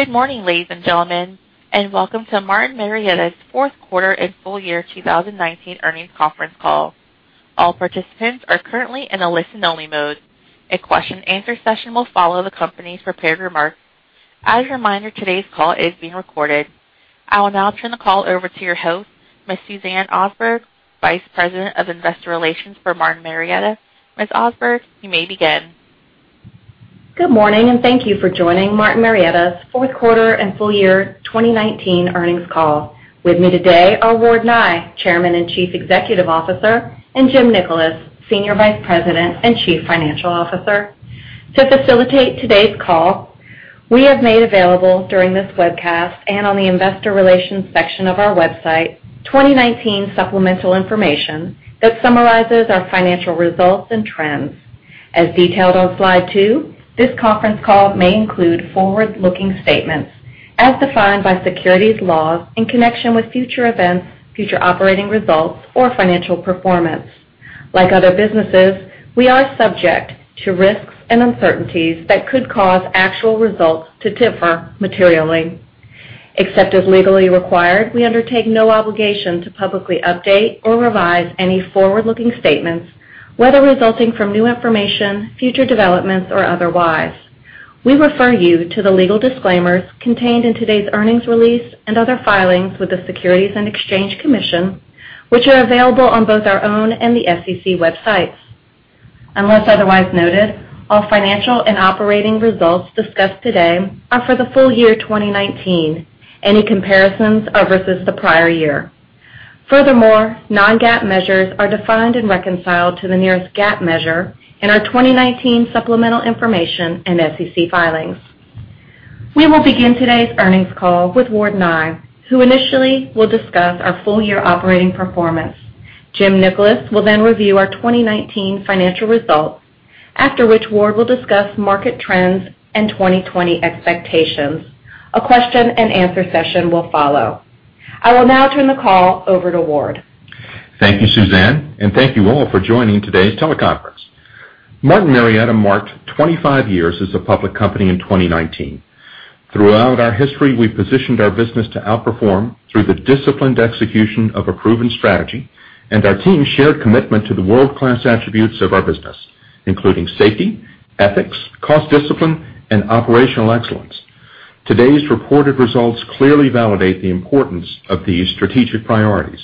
Good morning, ladies and gentlemen, and welcome to Martin Marietta's fourth-quarter and full-year 2019 earnings conference call. All participants are currently in a listen-only mode. A question-and-answer session will follow the company's prepared remarks. As a reminder, today's call is being recorded. I will now turn the call over to your host, Ms. Suzanne Osberg, Vice President of Investor Relations for Martin Marietta. Ms. Osberg, you may begin. Good morning, and thank you for joining Martin Marietta's fourth-quarter and full-year 2019 earnings call. With me today are Ward Nye, Chairman and Chief Executive Officer, and Jim Nickolas, Senior Vice President and Chief Financial Officer. To facilitate today's call, we have made available during this webcast, and on the Investor Relations section of our website, 2019 supplemental information that summarizes our financial results and trends. As detailed on slide two, this conference call may include forward-looking statements as defined by securities laws in connection with future events, future operating results, or financial performance. Like other businesses, we are subject to risks and uncertainties that could cause actual results to differ materially. Except as legally required, we undertake no obligation to publicly update or revise any forward-looking statements, whether resulting from new information, future developments, or otherwise. We refer you to the legal disclaimers contained in today's earnings release and other filings with the Securities and Exchange Commission, which are available on both our own and the SEC websites. Unless otherwise noted, all financial and operating results discussed today are for the full-year 2019. Any comparisons are versus the prior year. Non-GAAP measures are defined and reconciled to the nearest GAAP measure in our 2019 supplemental information and SEC filings. We will begin today's earnings call with Ward Nye, who initially will discuss our full-year operating performance. Jim Nickolas will then review our 2019 financial results, after which Ward will discuss market trends and 2020 expectations. A question-and-answer session will follow. I will now turn the call over to Ward. Thank you, Suzanne, and thank you all for joining today's teleconference. Martin Marietta marked 25 years as a public company in 2019. Throughout our history, we've positioned our business to outperform through the disciplined execution of a proven strategy and our team's shared commitment to the world-class attributes of our business, including safety, ethics, cost discipline, and operational excellence. Today's reported results clearly validate the importance of these strategic priorities.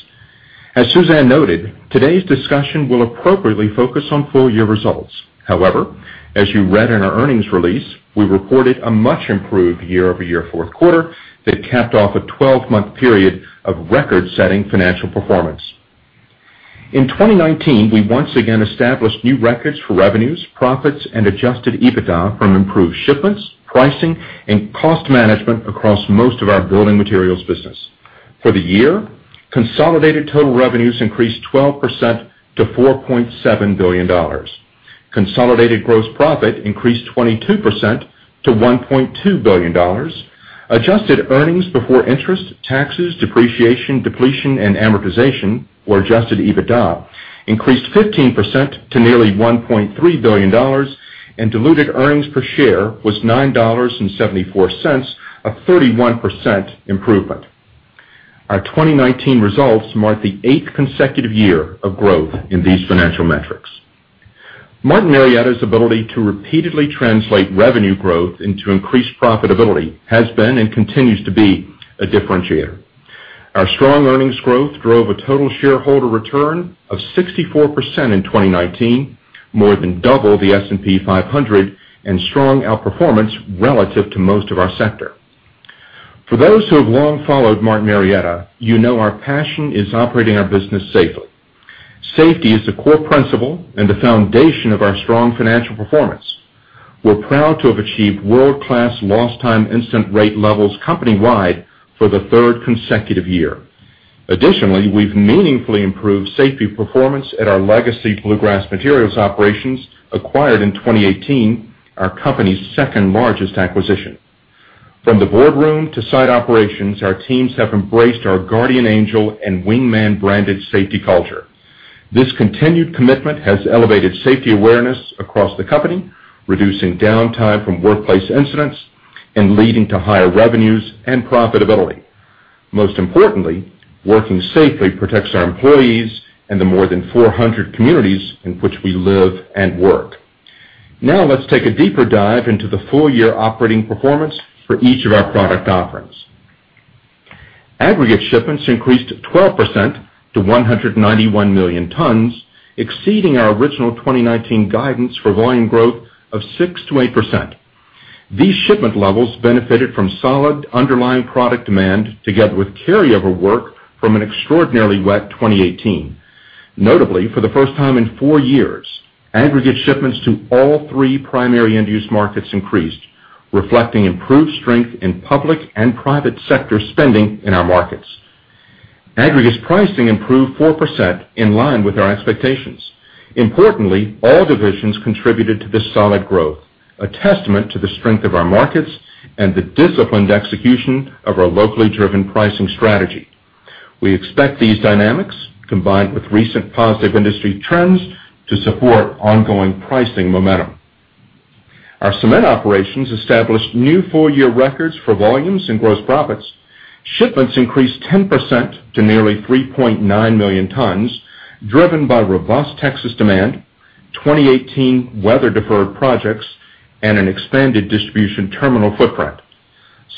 As Suzanne noted, today's discussion will appropriately focus on full-year results. As you read in our earnings release, we reported a much improved year-over-year fourth quarter that capped off a 12-month period of record-setting financial performance. In 2019, we once again established new records for revenues, profits, and adjusted EBITDA from improved shipments, pricing, and cost management across most of our building materials business. For the year, consolidated total revenues increased 12% to $4.7 billion. Consolidated gross profit increased 22% to $1.2 billion. Adjusted earnings before interest, taxes, depreciation, depletion, and amortization, or adjusted EBITDA, increased 15% to nearly $1.3 billion, and diluted earnings per share was $9.74, a 31% improvement. Our 2019 results mark the eighth consecutive year of growth in these financial metrics. Martin Marietta's ability to repeatedly translate revenue growth into increased profitability has been, and continues to be, a differentiator. Our strong earnings growth drove a total shareholder return of 64% in 2019, more than double the S&P 500, and strong outperformance relative to most of our sector. For those who have long followed Martin Marietta, you know our passion is operating our business safely. Safety is a core principle and the foundation of our strong financial performance. We're proud to have achieved world-class lost time incident rate levels company-wide for the third consecutive year. Additionally, we've meaningfully improved safety performance at our legacy Bluegrass Materials operations acquired in 2018, our company's second-largest acquisition. From the boardroom to site operations, our teams have embraced our Guardian Angel and Wingman branded safety culture. This continued commitment has elevated safety awareness across the company, reducing downtime from workplace incidents and leading to higher revenues and profitability. Most importantly, working safely protects our employees and the more than 400 communities in which we live and work. Now, let's take a deeper dive into the full-year operating performance for each of our product offerings. Aggregate shipments increased 12% to 191 million tons, exceeding our original 2019 guidance for volume growth of 6%-8%. These shipment levels benefited from solid underlying product demand, together with carryover work from an extraordinarily wet 2018. Notably, for the first time in four years, aggregate shipments to all three primary end-use markets increased, reflecting improved strength in public and private sector spending in our markets. Aggregates pricing improved 4%, in line with our expectations. Importantly, all divisions contributed to this solid growth, a testament to the strength of our markets and the disciplined execution of our locally driven pricing strategy. We expect these dynamics, combined with recent positive industry trends, to support ongoing pricing momentum. Our cement operations established new full-year records for volumes and gross profits. Shipments increased 10% to nearly 3.9 million tons, driven by robust Texas demand, 2018 weather-deferred projects, and an expanded distribution terminal footprint.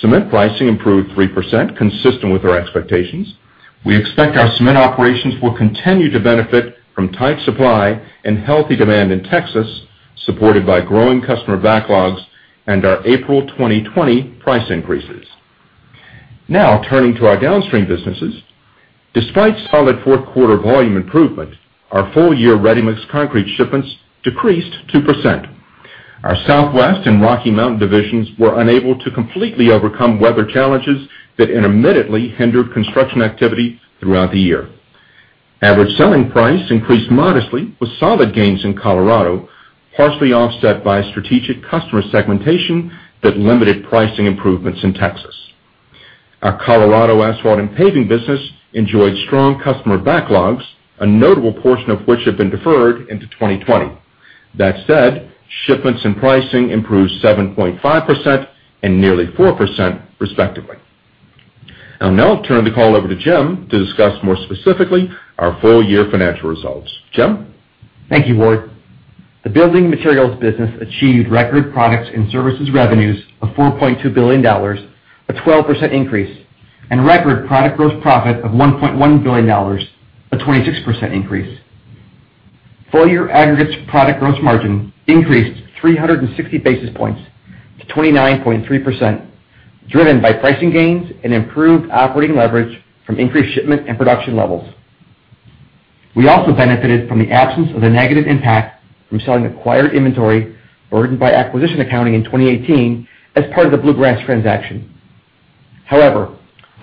Cement pricing improved 3%, consistent with our expectations. We expect our cement operations will continue to benefit from tight supply and healthy demand in Texas, supported by growing customer backlogs and our April 2020 price increases. Turning to our downstream businesses. Despite solid fourth-quarter volume improvement, our full-year ready-mix concrete shipments decreased 2%. Our Southwest and Rocky Mountain divisions were unable to completely overcome weather challenges that intermittently hindered construction activity throughout the year. Average selling price increased modestly with solid gains in Colorado, partially offset by strategic customer segmentation that limited pricing improvements in Texas. Our Colorado asphalt and paving business enjoyed strong customer backlogs, a notable portion of which have been deferred into 2020. That said, shipments and pricing improved 7.5% and nearly 4%, respectively. I'll now turn the call over to Jim to discuss more specifically our full-year financial results. Jim? Thank you, Ward. The building materials business achieved record products and services revenues of $4.2 billion, a 12% increase, and record product gross profit of $1.1 billion, a 26% increase. Full-year aggregates product gross margin increased 360 basis points to 29.3%, driven by pricing gains and improved operating leverage from increased shipment and production levels. We also benefited from the absence of the negative impact from selling acquired inventory burdened by acquisition accounting in 2018 as part of the Bluegrass transaction.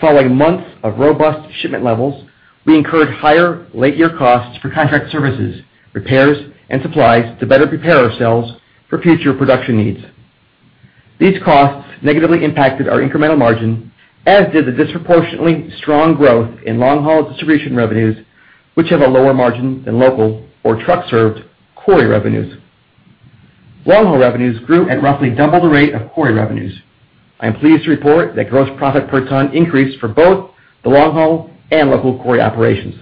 Following months of robust shipment levels, we incurred higher late-year costs for contract services, repairs, and supplies to better prepare ourselves for future production needs. These costs negatively impacted our incremental margin, as did the disproportionately strong growth in long-haul distribution revenues, which have a lower margin than local or truck-served quarry revenues. Long-haul revenues grew at roughly double the rate of quarry revenues. I am pleased to report that gross profit per ton increased for both the long-haul and local quarry operations.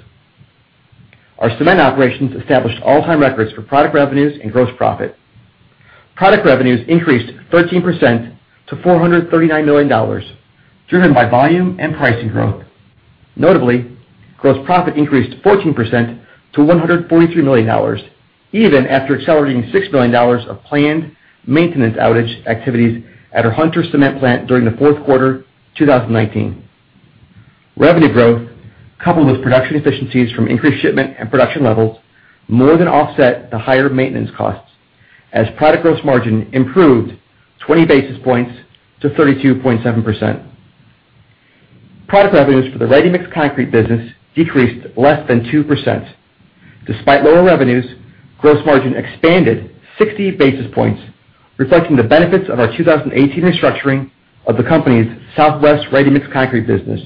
Our cement operations established all-time records for product revenues and gross profit. Product revenues increased 13% to $439 million, driven by volume and pricing growth. Notably, gross profit increased 14% to $143 million, even after accelerating $6 million of planned maintenance outage activities at our Hunter cement plant during the fourth quarter 2019. Revenue growth, coupled with production efficiencies from increased shipment and production levels, more than offset the higher maintenance costs as product gross margin improved 20 basis points to 32.7%. Product revenues for the ready-mix concrete business decreased less than 2%. Despite lower revenues, gross margin expanded 60 basis points, reflecting the benefits of our 2018 restructuring of the company's Southwest ready-mix concrete business.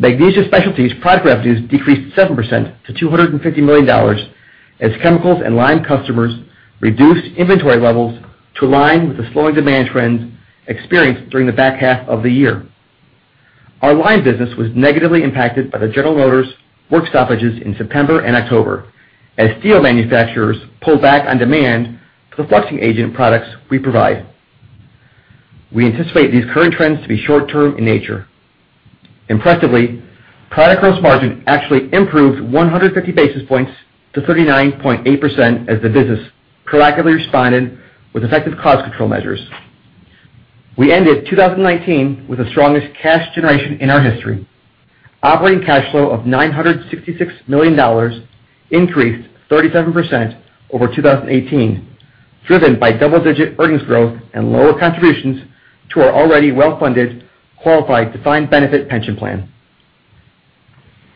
Magnesia Specialties product revenues decreased 7% to $250 million as chemicals and lime customers reduced inventory levels to align with the slowing demand trends experienced during the back half of the year. Our lime business was negatively impacted by the General Motors work stoppages in September and October as steel manufacturers pulled back on demand for the fluxing agent products we provide. We anticipate these current trends to be short-term in nature. Impressively, product gross margin actually improved 150 basis points to 39.8% as the business proactively responded with effective cost control measures. We ended 2019 with the strongest cash generation in our history. Operating cash flow of $966 million increased 37% over 2018, driven by double-digit earnings growth and lower contributions to our already well-funded qualified defined benefit pension plan.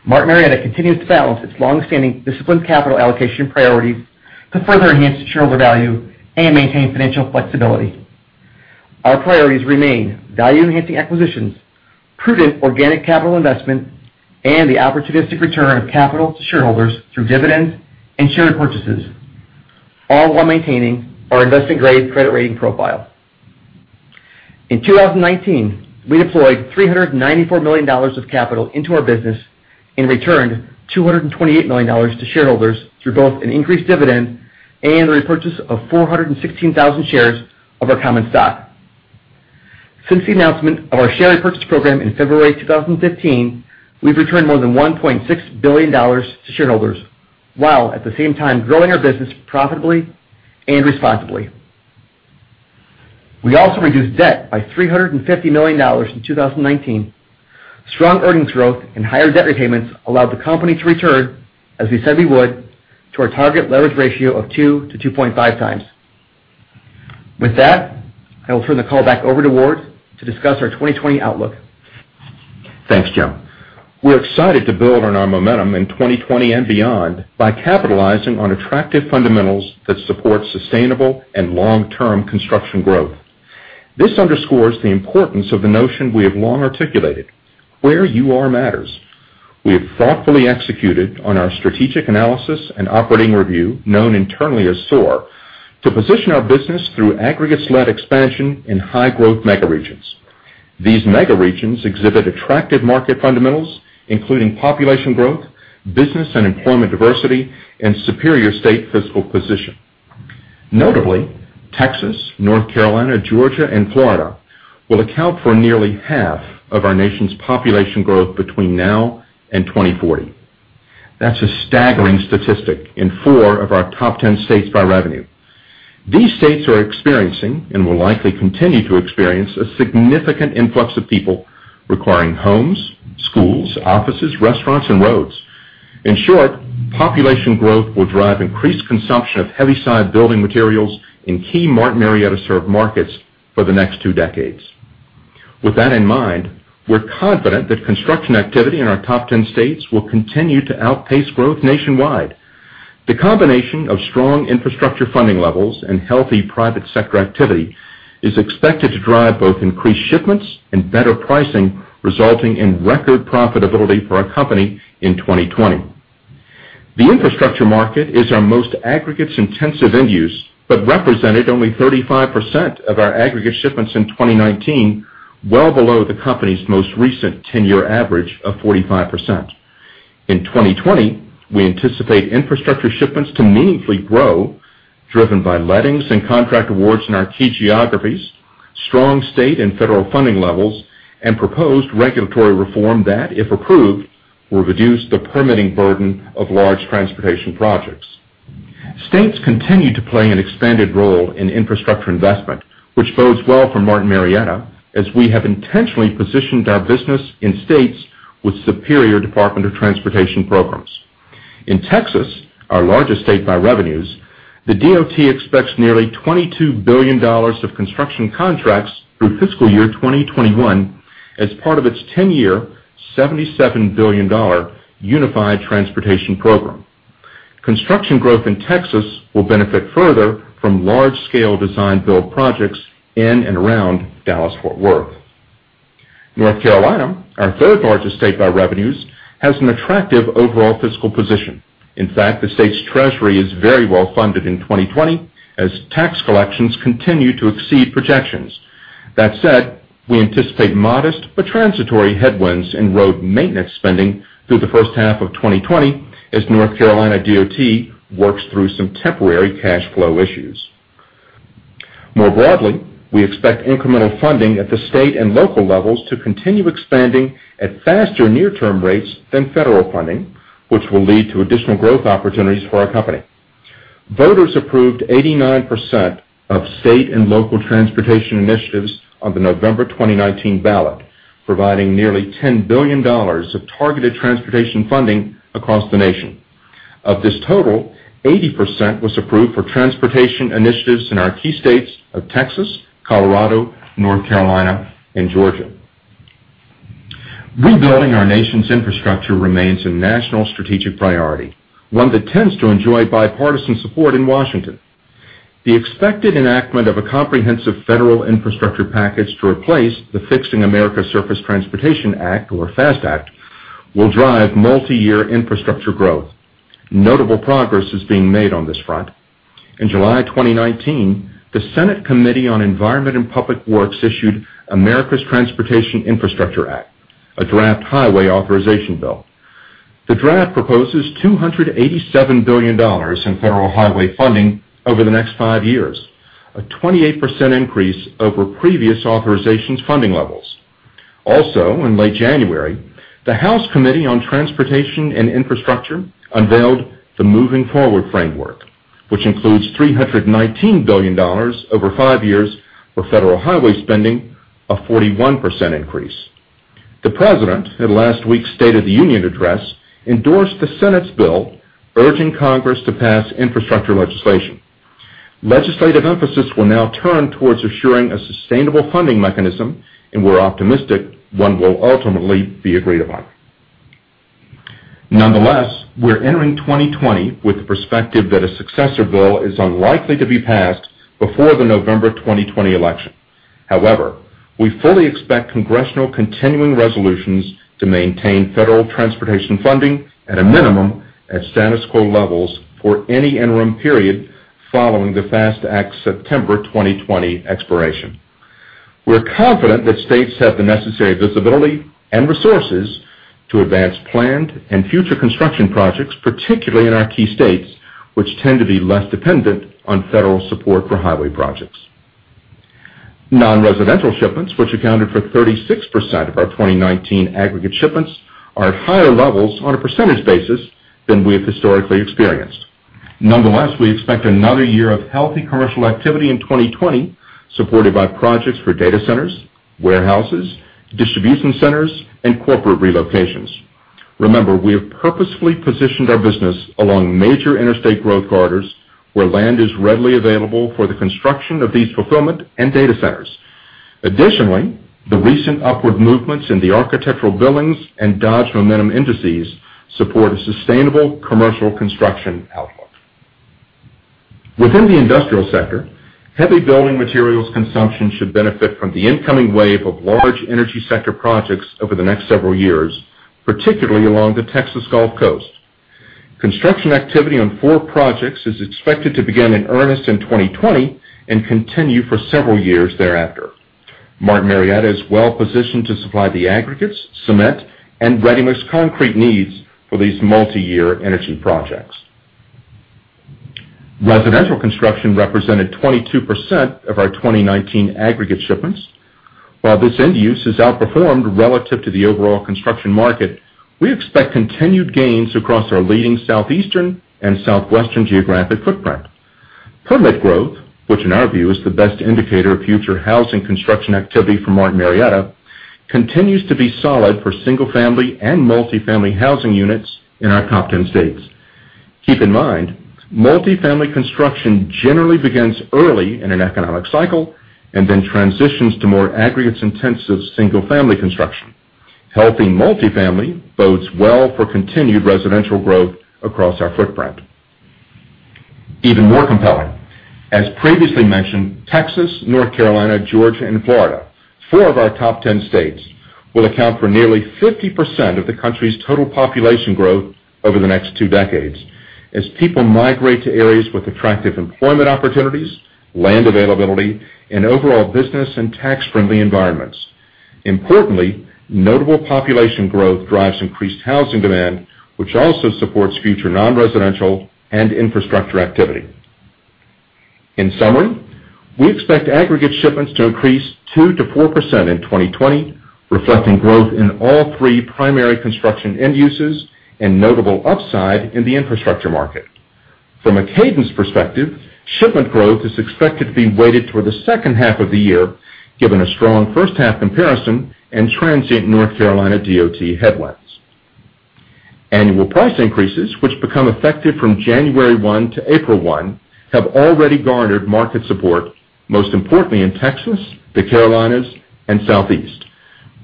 Martin Marietta continues to balance its long-standing disciplined capital allocation priorities to further enhance shareholder value and maintain financial flexibility. Our priorities remain value-enhancing acquisitions, prudent organic capital investment, and the opportunistic return of capital to shareholders through dividends and share purchases, all while maintaining our investment-grade credit rating profile. In 2019, we deployed $394 million of capital into our business and returned $228 million to shareholders through both an increased dividend and the repurchase of 416,000 shares of our common stock. Since the announcement of our share repurchase program in February 2015, we've returned more than $1.6 billion to shareholders, while at the same time growing our business profitably and responsibly. We also reduced debt by $350 million in 2019. Strong earnings growth and higher debt repayments allowed the company to return, as we said we would, to our target leverage ratio of 2x-2.5x. With that, I will turn the call back over to Ward to discuss our 2020 outlook. Thanks, Jim. We're excited to build on our momentum in 2020 and beyond by capitalizing on attractive fundamentals that support sustainable and long-term construction growth. This underscores the importance of the notion we have long articulated, where you are matters. We have thoughtfully executed on our Strategic Analysis and Operating Review, known internally as SOAR, to position our business through aggregates-led expansion in high-growth mega regions. These mega regions exhibit attractive market fundamentals, including population growth, business and employment diversity, and superior state fiscal position. Notably, Texas, North Carolina, Georgia, and Florida will account for nearly half of our nation's population growth between now and 2040. That's a staggering statistic in four of our top 10 states by revenue. These states are experiencing, and will likely continue to experience, a significant influx of people requiring homes, schools, offices, restaurants, and roads. In short, population growth will drive increased consumption of heavy side building materials in key Martin Marietta served markets for the next two decades. With that in mind, we're confident that construction activity in our top 10 states will continue to outpace growth nationwide. The combination of strong infrastructure funding levels and healthy private sector activity is expected to drive both increased shipments and better pricing, resulting in record profitability for our company in 2020. The infrastructure market is our most aggregates intensive end use, but represented only 35% of our aggregate shipments in 2019, well below the company's most recent 10-year average of 45%. In 2020, we anticipate infrastructure shipments to meaningfully grow, driven by lettings and contract awards in our key geographies, strong state and federal funding levels, and proposed regulatory reform that, if approved, will reduce the permitting burden of large transportation projects. States continue to play an expanded role in infrastructure investment, which bodes well for Martin Marietta, as we have intentionally positioned our business in states with superior Department of Transportation programs. In Texas, our largest state by revenues, the DOT expects nearly $22 billion of construction contracts through fiscal year 2021 as part of its 10-year, $77 billion Unified Transportation Program. Construction growth in Texas will benefit further from large scale design build projects in and around Dallas, Fort Worth. North Carolina, our third largest state by revenues, has an attractive overall fiscal position. In fact, the state's treasury is very well funded in 2020 as tax collections continue to exceed projections. That said, we anticipate modest but transitory headwinds in road maintenance spending through the first half of 2020, as North Carolina DOT works through some temporary cash flow issues. More broadly, we expect incremental funding at the state and local levels to continue expanding at faster near term rates than federal funding, which will lead to additional growth opportunities for our company. Voters approved 89% of state and local transportation initiatives on the November 2019 ballot, providing nearly $10 billion of targeted transportation funding across the nation. Of this total, 80% was approved for transportation initiatives in our key states of Texas, Colorado, North Carolina, and Georgia. Rebuilding our nation's infrastructure remains a national strategic priority, one that tends to enjoy bipartisan support in Washington. The expected enactment of a comprehensive federal infrastructure package to replace the Fixing America's Surface Transportation Act, or FAST Act, will drive multi-year infrastructure growth. Notable progress is being made on this front. In July 2019, the Senate Committee on Environment and Public Works issued America's Transportation Infrastructure Act, a draft highway authorization bill. The draft proposes $287 billion in federal highway funding over the next five years, a 28% increase over previous authorizations funding levels. Also, in late January, the House Committee on Transportation and Infrastructure unveiled the Moving Forward framework, which includes $319 billion over five years for federal highway spending, a 41% increase. The President, at last week's State of the Union address, endorsed the Senate's bill, urging Congress to pass infrastructure legislation. Legislative emphasis will now turn towards assuring a sustainable funding mechanism. We're optimistic one will ultimately be agreed upon. Nonetheless, we're entering 2020 with the perspective that a successor bill is unlikely to be passed before the November 2020 election. However, we fully expect congressional continuing resolutions to maintain federal transportation funding at a minimum at status quo levels for any interim period following the FAST Act's September 2020 expiration. We're confident that states have the necessary visibility and resources to advance planned and future construction projects, particularly in our key states, which tend to be less dependent on federal support for highway projects. Non-residential shipments, which accounted for 36% of our 2019 aggregate shipments, are at higher levels on a percentage basis than we have historically experienced. Nonetheless, we expect another year of healthy commercial activity in 2020, supported by projects for data centers, warehouses, distribution centers, and corporate relocations. Remember, we have purposefully positioned our business along major interstate growth corridors where land is readily available for the construction of these fulfillment and data centers. Additionally, the recent upward movements in the Architectural Billings and Dodge Momentum Indices support a sustainable commercial construction outcome. Within the industrial sector, heavy building materials consumption should benefit from the incoming wave of large energy sector projects over the next several years, particularly along the Texas Gulf Coast. Construction activity on four projects is expected to begin in earnest in 2020 and continue for several years thereafter. Martin Marietta is well-positioned to supply the aggregates, cement, and ready-mix concrete needs for these multi-year energy projects. Residential construction represented 22% of our 2019 aggregate shipments. While this end use has outperformed relative to the overall construction market, we expect continued gains across our leading Southeastern and Southwestern geographic footprint. Permit growth, which in our view is the best indicator of future housing construction activity for Martin Marietta, continues to be solid for single-family and multi-family housing units in our top 10 states. Keep in mind, multi-family construction generally begins early in an economic cycle and then transitions to more aggregates-intensive single-family construction. Helping multi-family bodes well for continued residential growth across our footprint. Even more compelling, as previously mentioned, Texas, North Carolina, Georgia, and Florida, four of our top 10 states, will account for nearly 50% of the country's total population growth over the next two decades, as people migrate to areas with attractive employment opportunities, land availability, and overall business and tax-friendly environments. Importantly, notable population growth drives increased housing demand, which also supports future non-residential and infrastructure activity. In summary, we expect aggregate shipments to increase 2%-4% in 2020, reflecting growth in all three primary construction end uses and notable upside in the infrastructure market. From a cadence perspective, shipment growth is expected to be weighted toward the second half of the year, given a strong first half comparison and transient North Carolina DOT headwinds. Annual price increases, which become effective from January 1 to April 1, have already garnered market support, most importantly in Texas, the Carolinas, and Southeast.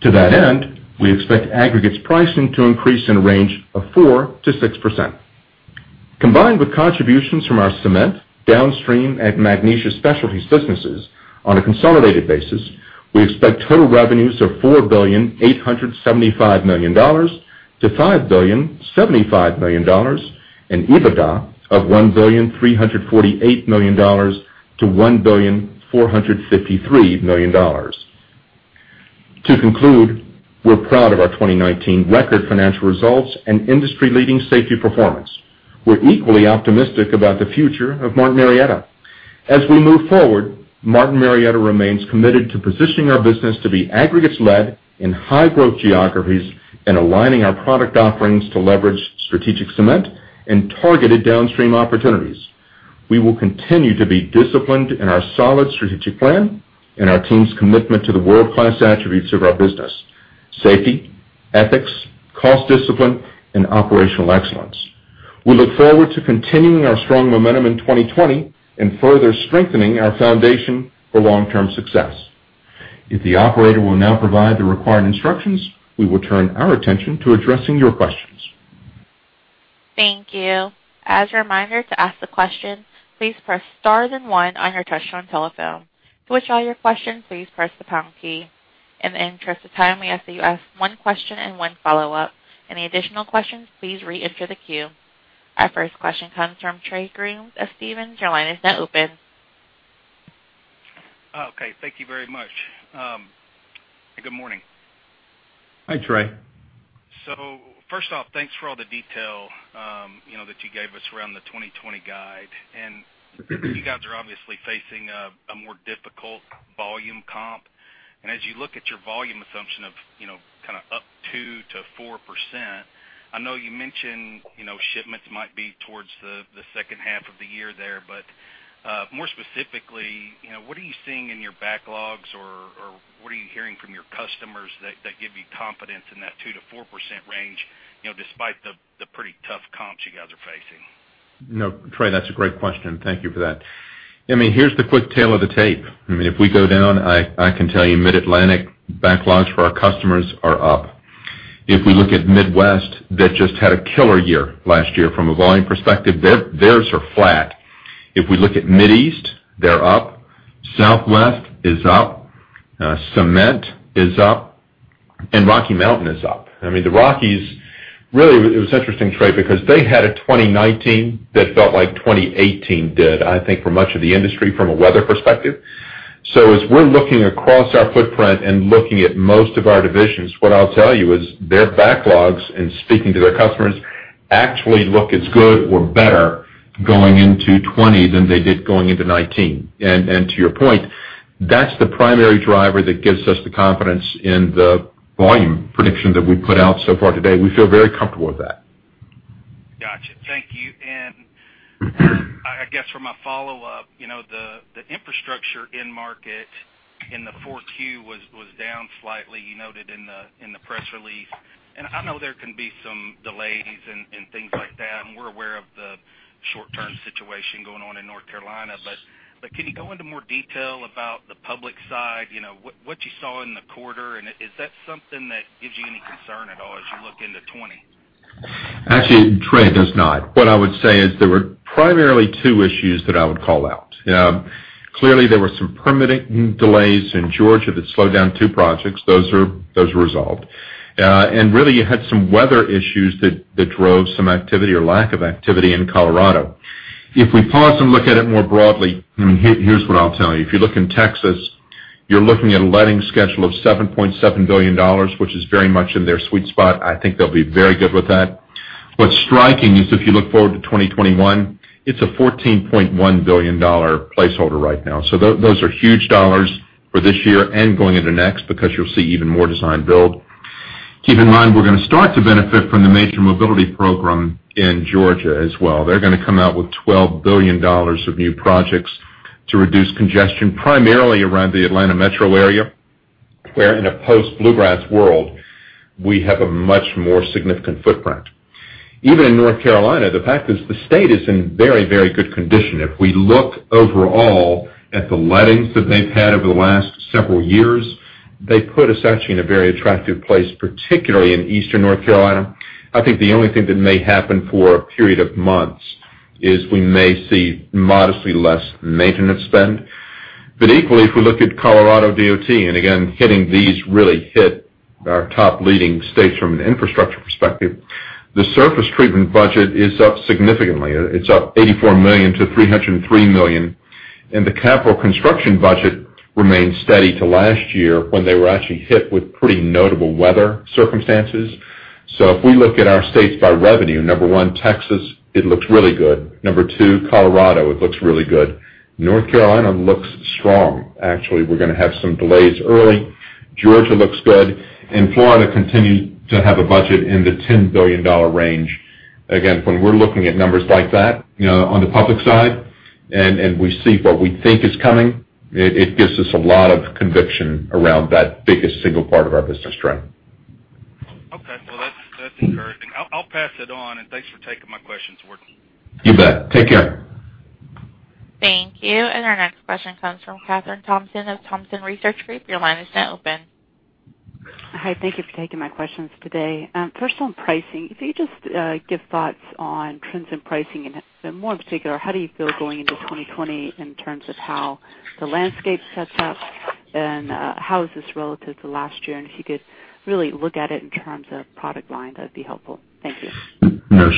To that end, we expect aggregates pricing to increase in the range of 4%-6%. Combined with contributions from our cement, downstream, and Magnesia Specialties businesses on a consolidated basis, we expect total revenues of $4.875 billion-$5.075 billion, and EBITDA of $1.348 billion-$1.453 billion. To conclude, we're proud of our 2019 record financial results and industry-leading safety performance. We're equally optimistic about the future of Martin Marietta. As we move forward, Martin Marietta remains committed to positioning our business to be aggregates-led in high-growth geographies and aligning our product offerings to leverage strategic cement and targeted downstream opportunities. We will continue to be disciplined in our solid strategic plan and our team's commitment to the world-class attributes of our business: safety, ethics, cost discipline, and operational excellence. We look forward to continuing our strong momentum in 2020 and further strengthening our foundation for long-term success. If the operator will now provide the required instructions, we will turn our attention to addressing your questions. Thank you. As a reminder, to ask the question, please press star then one on your touchtone telephone. To withdraw your question, please press the pound key. In the interest of time, we ask that you ask one question and one follow-up. Any additional questions, please re-enter the queue. Our first question comes from Trey Grooms of Stephens. Your line is now open. Okay. Thank you very much. Good morning. Hi, Trey. First off, thanks for all the detail that you gave us around the 2020 guide. You guys are obviously facing a more difficult volume comp. As you look at your volume assumption of up 2%-4%, I know you mentioned shipments might be towards the second half of the year there, but more specifically, what are you seeing in your backlogs or what are you hearing from your customers that give you confidence in that 2%-4% range despite the pretty tough comps you guys are facing? No, Trey, that's a great question. Thank you for that. Here's the quick tale of the tape. If we go down, I can tell you Mid-Atlantic backlogs for our customers are up. If we look at Midwest, they just had a killer year last year from a volume perspective. Theirs are flat. If we look at Mideast, they're up. Southwest is up. Cement is up. Rocky Mountain is up. The Rockies, really, it was interesting, Trey, because they had a 2019 that felt like 2018 did, I think for much of the industry from a weather perspective. As we're looking across our footprint and looking at most of our divisions, what I'll tell you is their backlogs and speaking to their customers actually look as good or better going into 2020 than they did going into 2019. To your point, that's the primary driver that gives us the confidence in the volume prediction that we put out so far today. We feel very comfortable with that. Got you. Thank you. I guess for my follow-up, the infrastructure end market in the 4Q was down slightly, you noted in the press release, and I know there can be some delays and things like that, and we're aware of the short-term situation going on. Can you go into more detail about the public side? What you saw in the quarter, and is that something that gives you any concern at all as you look into 2020? Actually, Trey, it does not. What I would say is there were primarily two issues that I would call out. Clearly, there were some permitting delays in Georgia that slowed down two projects. Those are resolved. Really, you had some weather issues that drove some activity or lack of activity in Colorado. If we pause and look at it more broadly, here's what I'll tell you. If you look in Texas, you're looking at a letting schedule of $7.7 billion, which is very much in their sweet spot. I think they'll be very good with that. What's striking is if you look forward to 2021, it's a $14.1 billion placeholder right now. Those are huge dollars for this year and going into next, because you'll see even more design build. Keep in mind, we're going to start to benefit from the Major Mobility Investment Program in Georgia as well. They're going to come out with $12 billion of new projects to reduce congestion, primarily around the Atlanta metro area, where in a post Bluegrass world, we have a much more significant footprint. Even in North Carolina, the fact is the state is in very good condition. If we look overall at the lettings that they've had over the last several years, they put us actually in a very attractive place, particularly in Eastern North Carolina. Equally, if we look at Colorado DOT, and again, hitting these really hit our top leading states from an infrastructure perspective, the surface treatment budget is up significantly. It's up $84 million to $303 million. The capital construction budget remains steady to last year, when they were actually hit with pretty notable weather circumstances. If we look at our states by revenue, number one, Texas, it looks really good. Number two, Colorado, it looks really good. North Carolina looks strong. Actually, we're going to have some delays early. Georgia looks good. Florida continued to have a budget in the $10 billion range. Again, when we're looking at numbers like that on the public side, and we see what we think is coming, it gives us a lot of conviction around that biggest single part of our business, Trey. Okay. Well, that's encouraging. I'll pass it on, and thanks for taking my questions, Ward. You bet. Take care. Thank you. Our next question comes from Kathryn Thompson of Thompson Research Group. Your line is now open. Hi, thank you for taking my questions today. First on pricing, if you could just give thoughts on trends in pricing, more in particular, how do you feel going into 2020 in terms of how the landscape sets up and how is this relative to last year? If you could really look at it in terms of product line, that'd be helpful. Thank you.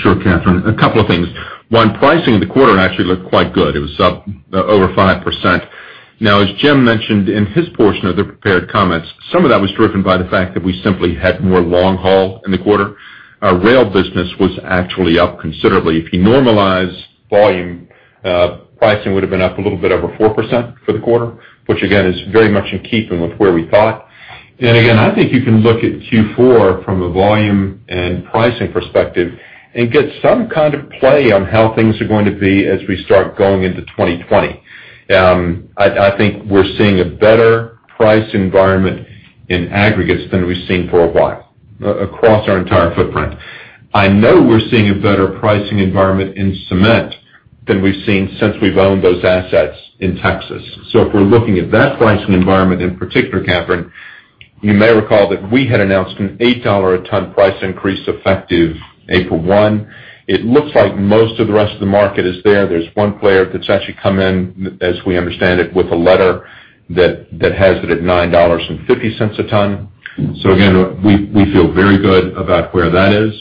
Sure, Kathryn. A couple of things. One, pricing in the quarter actually looked quite good. It was up over 5%. Now, as Jim mentioned in his portion of the prepared comments, some of that was driven by the fact that we simply had more long haul in the quarter. Our rail business was actually up considerably. If you normalize volume, pricing would've been up a little bit over 4% for the quarter, which again, is very much in keeping with where we thought. Again, I think you can look at Q4 from a volume and pricing perspective and get some kind of play on how things are going to be as we start going into 2020. I think we're seeing a better price environment in aggregates than we've seen for a while across our entire footprint. I know we're seeing a better pricing environment in cement than we've seen since we've owned those assets in Texas. If we're looking at that pricing environment in particular, Kathryn, you may recall that we had announced an $8 a ton price increase effective April 1. It looks like most of the rest of the market is there. There's one player that's actually come in, as we understand it, with a letter that has it at $9.50 a ton. Again, we feel very good about where that is.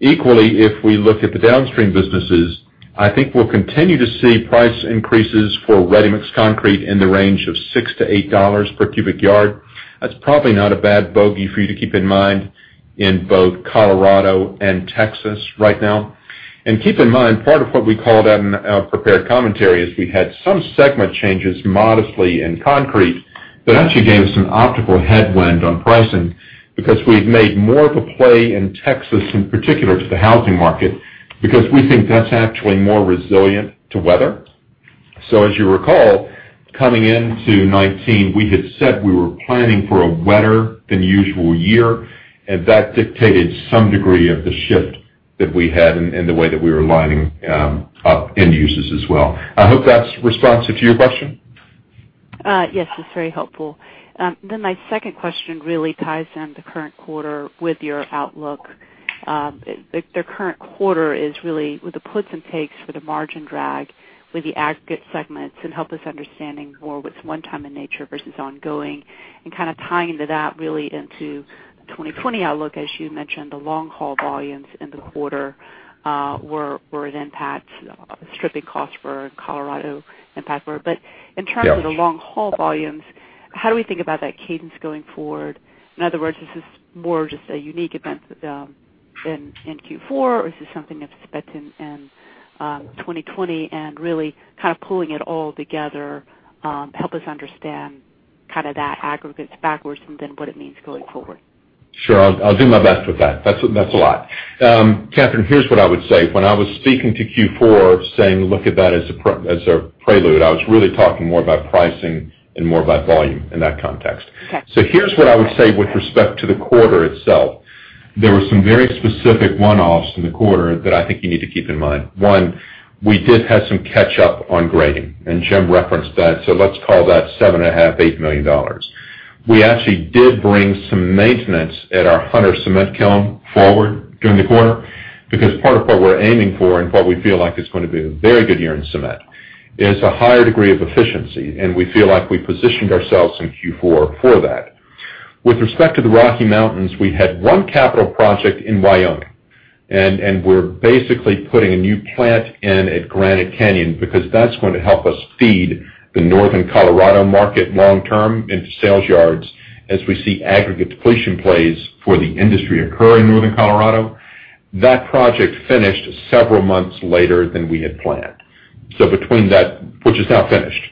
Equally, if we look at the downstream businesses, I think we'll continue to see price increases for ready-mix concrete in the range of $6-$8 per cubic yard. That's probably not a bad bogey for you to keep in mind in both Colorado and Texas right now. Keep in mind, part of what we called out in our prepared commentary is we had some segment changes modestly in concrete that actually gave us an optical headwind on pricing because we've made more of a play in Texas in particular to the housing market because we think that's actually more resilient to weather. As you recall, coming into 2019, we had said we were planning for a wetter than usual year, and that dictated some degree of the shift that we had and the way that we were lining up end users as well. I hope that's responsive to your question. Yes, it's very helpful. My second question really ties in the current quarter with your outlook. The current quarter is really with the puts and takes for the margin drag with the aggregate segments and help us understanding more what's one time in nature versus ongoing and kind of tying into that really into 2020 outlook. As you mentioned, the long haul volumes in the quarter were an impact, stripping costs for Colorado impact were. Yes The long haul volumes, how do we think about that cadence going forward? In other words, is this more just a unique event in Q4, or is this something that is spent in 2020 and really kind of pulling it all together, help us understand that aggregates backwards and then what it means going forward? Sure. I'll do my best with that. That's a lot. Kathryn, here's what I would say. When I was speaking to Q4 saying look at that as a prelude, I was really talking more about pricing and more about volume in that context. Okay. Here's what I would say with respect to the quarter itself. There were some very specific one-offs in the quarter that I think you need to keep in mind. One, we did have some catch-up on grading, and Jim referenced that. Let's call that $7.5 million, $8 million. We actually did bring some maintenance at our Hunter cement kiln forward during the quarter because part of what we're aiming for and what we feel like is going to be a very good year in cement is a higher degree of efficiency, and we feel like we positioned ourselves in Q4 for that. With respect to the Rocky Mountains, we had one capital project in Wyoming, and we're basically putting a new plant in at Granite Canyon because that's going to help us feed the Northern Colorado market long term into sales yards as we see aggregate depletion plays for the industry occur in Northern Colorado. That project finished several months later than we had planned, which is now finished.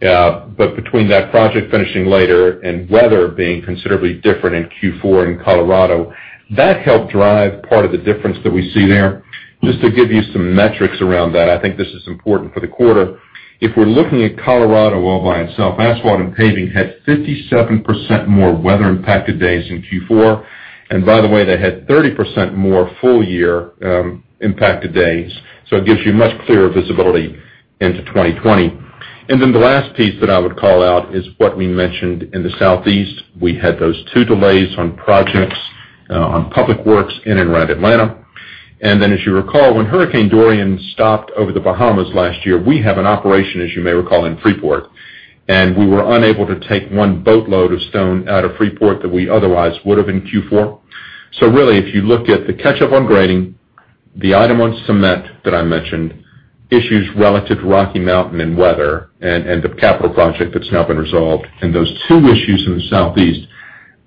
Between that project finishing later and weather being considerably different in Q4 in Colorado, that helped drive part of the difference that we see there. Just to give you some metrics around that, I think this is important for the quarter. If we're looking at Colorado all by itself, asphalt and paving had 57% more weather impacted days in Q4. By the way, they had 30% more full-year impacted days. It gives you much clearer visibility into 2020. The last piece that I would call out is what we mentioned in the Southeast. We had those two delays on projects on public works in and around Atlanta. As you recall, when Hurricane Dorian stopped over the Bahamas last year, we have an operation, as you may recall, in Freeport, and we were unable to take one boatload of stone out of Freeport that we otherwise would have in Q4. Really, if you look at the catch-up on grading, the item on cement that I mentioned, issues relative to Rocky Mountain and weather and the capital project that's now been resolved, and those two issues in the Southeast,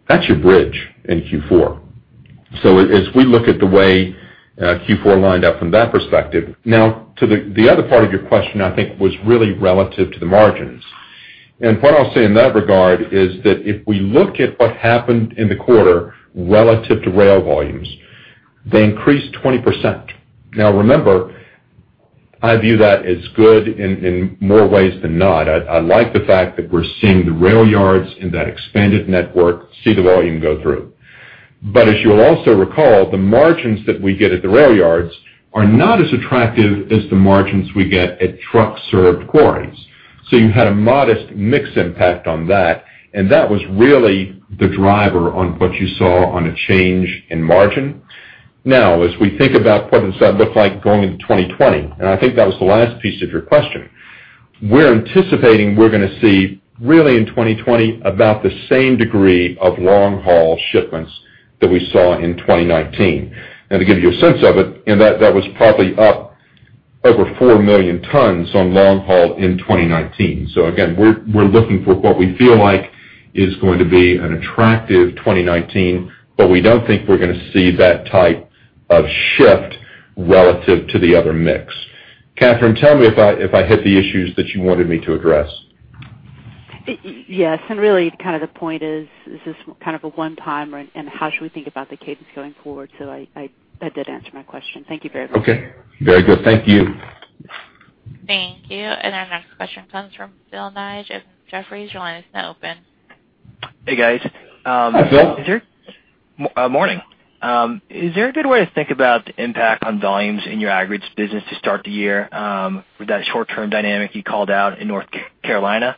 that's your bridge in Q4. As we look at the way Q4 lined up from that perspective. Now to the other part of your question, I think was really relative to the margins. What I'll say in that regard is that if we look at what happened in the quarter relative to rail volumes, they increased 20%. Remember, I view that as good in more ways than not. I like the fact that we're seeing the rail yards in that expanded network, see the volume go through. As you'll also recall, the margins that we get at the rail yards are not as attractive as the margins we get at truck-served quarries. You had a modest mix impact on that, and that was really the driver on what you saw on a change in margin. As we think about what this will look like going into 2020, and I think that was the last piece of your question. We're anticipating we're going to see, really in 2020, about the same degree of long-haul shipments that we saw in 2019. To give you a sense of it, that was probably up over 4 million tons on long haul in 2019. Again, we're looking for what we feel like is going to be an attractive 2019, but we don't think we're going to see that type of shift relative to the other mix. Kathryn, tell me if I hit the issues that you wanted me to address. Yes, really, the point is this is a one-time, and how should we think about the cadence going forward. That did answer my question. Thank you very much. Okay. Very good. Thank you. Thank you. Our next question comes from Philip Ng of Jefferies. Your line is now open. Hey, guys. Hi, Phil. Morning. Is there a good way to think about the impact on volumes in your aggregates business to start the year with that short-term dynamic you called out in North Carolina?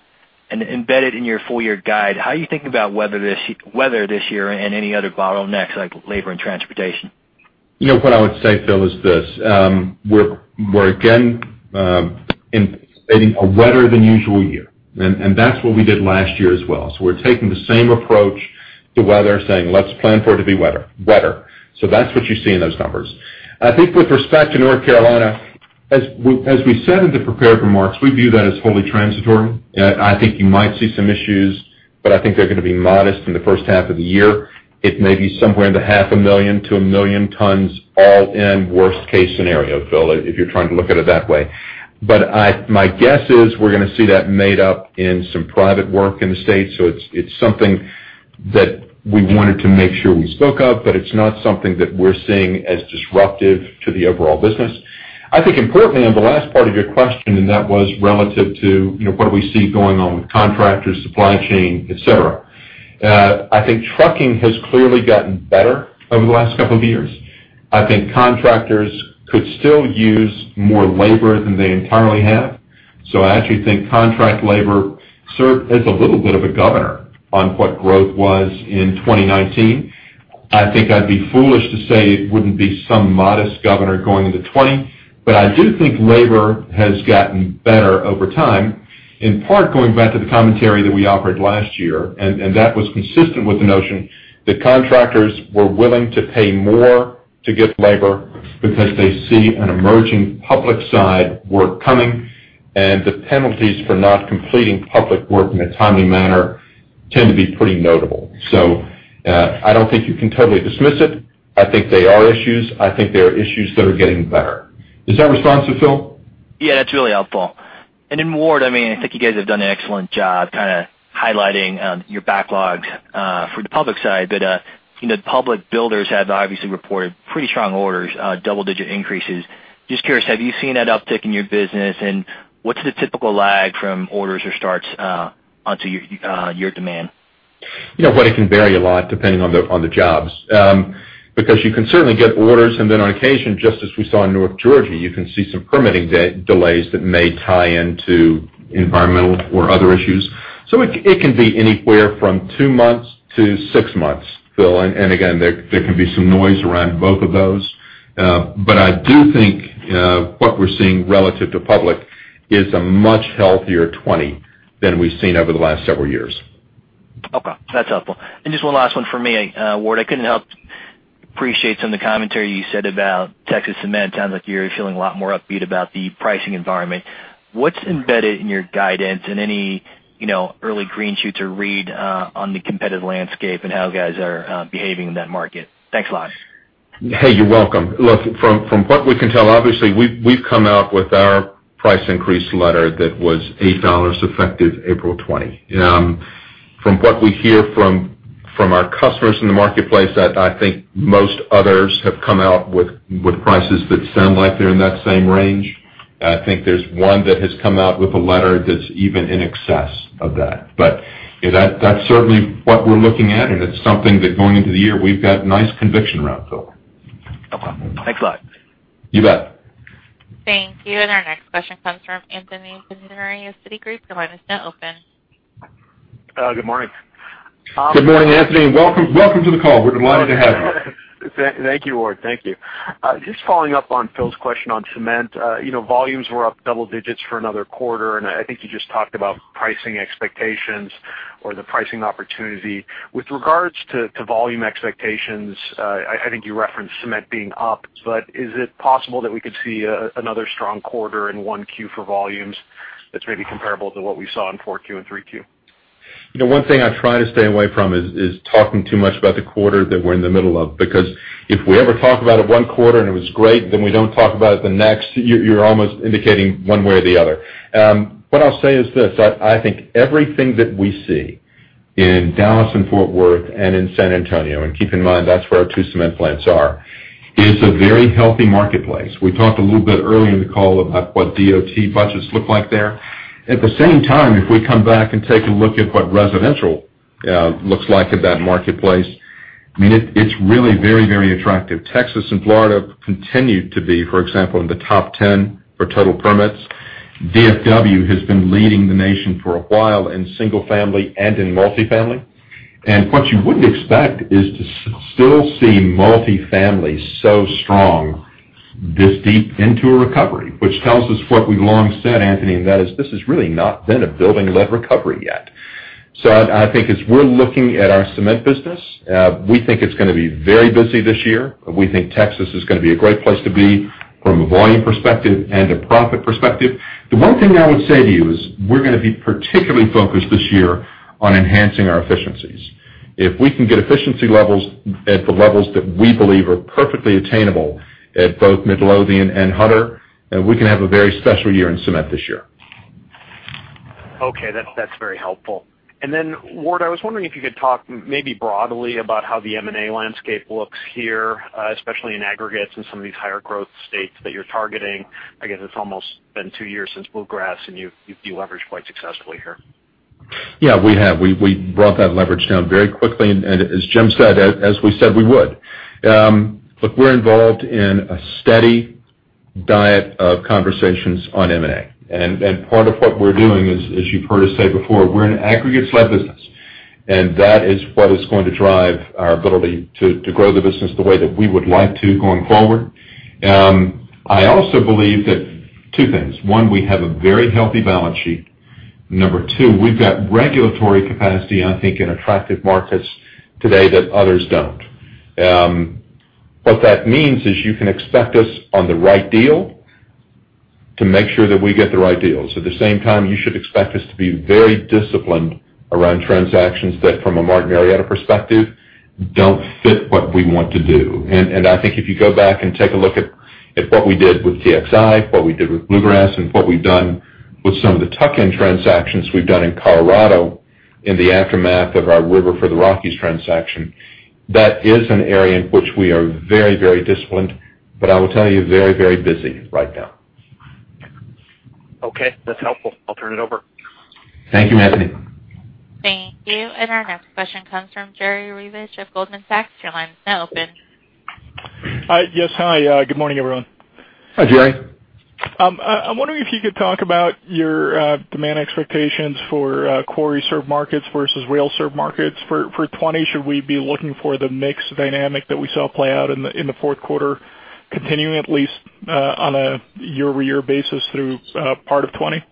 Embedded in your full-year guide, how are you thinking about weather this year and any other bottlenecks like labor and transportation? What I would say, Phil, is this. We're again anticipating a wetter than usual year, and that's what we did last year as well. We're taking the same approach to weather, saying, "Let's plan for it to be wetter." That's what you see in those numbers. I think with respect to North Carolina, as we said in the prepared remarks, we view that as wholly transitory. I think you might see some issues, but I think they're going to be modest in the first half of the year. It may be somewhere in the half a million to a million tons all in worst case scenario, Phil, if you're trying to look at it that way. My guess is we're going to see that made up in some private work in the state. It's something that we wanted to make sure we spoke of, but it's not something that we're seeing as disruptive to the overall business. I think importantly, on the last part of your question, and that was relative to what we see going on with contractors, supply chain, et cetera. I think trucking has clearly gotten better over the last couple of years. I think contractors could still use more labor than they entirely have. I actually think contract labor served as a little bit of a governor on what growth was in 2019. I think I'd be foolish to say it wouldn't be some modest governor going into 2020, but I do think labor has gotten better over time, in part going back to the commentary that we offered last year, and that was consistent with the notion that contractors were willing to pay more to get labor because they see an emerging public side work coming, and the penalties for not completing public work in a timely manner tend to be pretty notable. I don't think you can totally dismiss it. I think they are issues. I think they are issues that are getting better. Is that responsive, Phil? Yeah, that's really helpful. Ward, I think you guys have done an excellent job highlighting your backlogs for the public side, but public builders have obviously reported pretty strong orders, double-digit increases. Just curious, have you seen that uptick in your business, and what's the typical lag from orders or starts onto your demand? It can vary a lot depending on the jobs. You can certainly get orders, and then on occasion, just as we saw in North Georgia, you can see some permitting delays that may tie into environmental or other issues. It can be anywhere from two months to six months, Phil. Again, there can be some noise around both of those. I do think, what we're seeing relative to public is a much healthier 2020 than we've seen over the last several years. Okay, that's helpful. Just one last one for me, Ward. I couldn't help appreciate some of the commentary you said about Texas Cement. Sounds like you're feeling a lot more upbeat about the pricing environment. What's embedded in your guidance and any early green shoots or read on the competitive landscape and how guys are behaving in that market? Thanks a lot. Hey, you're welcome. Look, from what we can tell, obviously, we've come out with our price increase letter that was $8 effective April 2020. From what we hear from our customers in the marketplace, I think most others have come out with prices that sound like they're in that same range. I think there's one that has come out with a letter that's even in excess of that. That's certainly what we're looking at, and it's something that going into the year, we've got nice conviction around, Phil. Okay. Thanks a lot. You bet. Thank you. Our next question comes from Anthony Pettinari of Citigroup. Your line is now open. Good morning. Good morning, Anthony, and welcome to the call. We're delighted to have you. Thank you, Ward. Thank you. Following up on Phil's question on cement. Volumes were up double digits for another quarter. I think you just talked about pricing expectations or the pricing opportunity. With regards to volume expectations, I think you referenced cement being up. Is it possible that we could see another strong quarter in 1Q for volumes that's maybe comparable to what we saw in 4Q and 3Q? One thing I try to stay away from is talking too much about the quarter that we're in the middle of, because if we ever talk about a one quarter and it was great, then we don't talk about it the next, you're almost indicating one way or the other. What I'll say is this. I think everything that we see in Dallas and Fort Worth and in San Antonio, and keep in mind, that's where our two cement plants are, is a very healthy marketplace. We talked a little bit earlier in the call about what DOT budgets look like there. At the same time, if we come back and take a look at what residential looks like at that marketplace, it's really very attractive. Texas and Florida continue to be, for example, in the top 10 for total permits. DFW has been leading the nation for a while in single-family and in multi-family. What you wouldn't expect is to still see multi-family so strong this deep into a recovery, which tells us what we've long said, Anthony, and that is this has really not been a building-led recovery yet. I think as we're looking at our cement business, we think it's going to be very busy this year. We think Texas is going to be a great place to be from a volume perspective and a profit perspective. The one thing I would say to you is we're going to be particularly focused this year on enhancing our efficiencies. If we can get efficiency levels at the levels that we believe are perfectly attainable at both Midlothian and Hunter, we can have a very special year in cement this year. Okay. That's very helpful. Ward, I was wondering if you could talk, maybe broadly, about how the M&A landscape looks here, especially in aggregates and some of these higher-growth states that you're targeting. I guess it's almost been two years since Bluegrass, and you leveraged quite successfully here. Yeah, we have. We brought that leverage down very quickly. As Jim said, as we said we would. Look, we're involved in a steady diet of conversations on M&A. Part of what we're doing is, as you've heard us say before, we're an aggregates-led business, and that is what is going to drive our ability to grow the business the way that we would like to going forward. I also believe that two things. One, we have a very healthy balance sheet. Number two, we've got regulatory capacity, I think, in attractive markets today that others don't. What that means is you can expect us on the right deal to make sure that we get the right deals. At the same time, you should expect us to be very disciplined around transactions that from a Martin Marietta Materials perspective, don't fit what we want to do. I think if you go back and take a look at what we did with TXI, what we did with Bluegrass, and what we've done with some of the tuck-in transactions we've done in Colorado in the aftermath of our River for the Rockies transaction, that is an area in which we are very disciplined, but I will tell you very busy right now. Okay. That's helpful. I'll turn it over. Thank you, Anthony. Thank you. Our next question comes from Jerry Revich of Goldman Sachs. Your line is now open. Yes. Hi. Good morning, everyone. Hi, Jerry. I'm wondering if you could talk about your demand expectations for quarry-served markets versus rail-served markets for 2020. Should we be looking for the mix dynamic that we saw play out in the fourth quarter continuing at least on a year-over-year basis through part of 2020?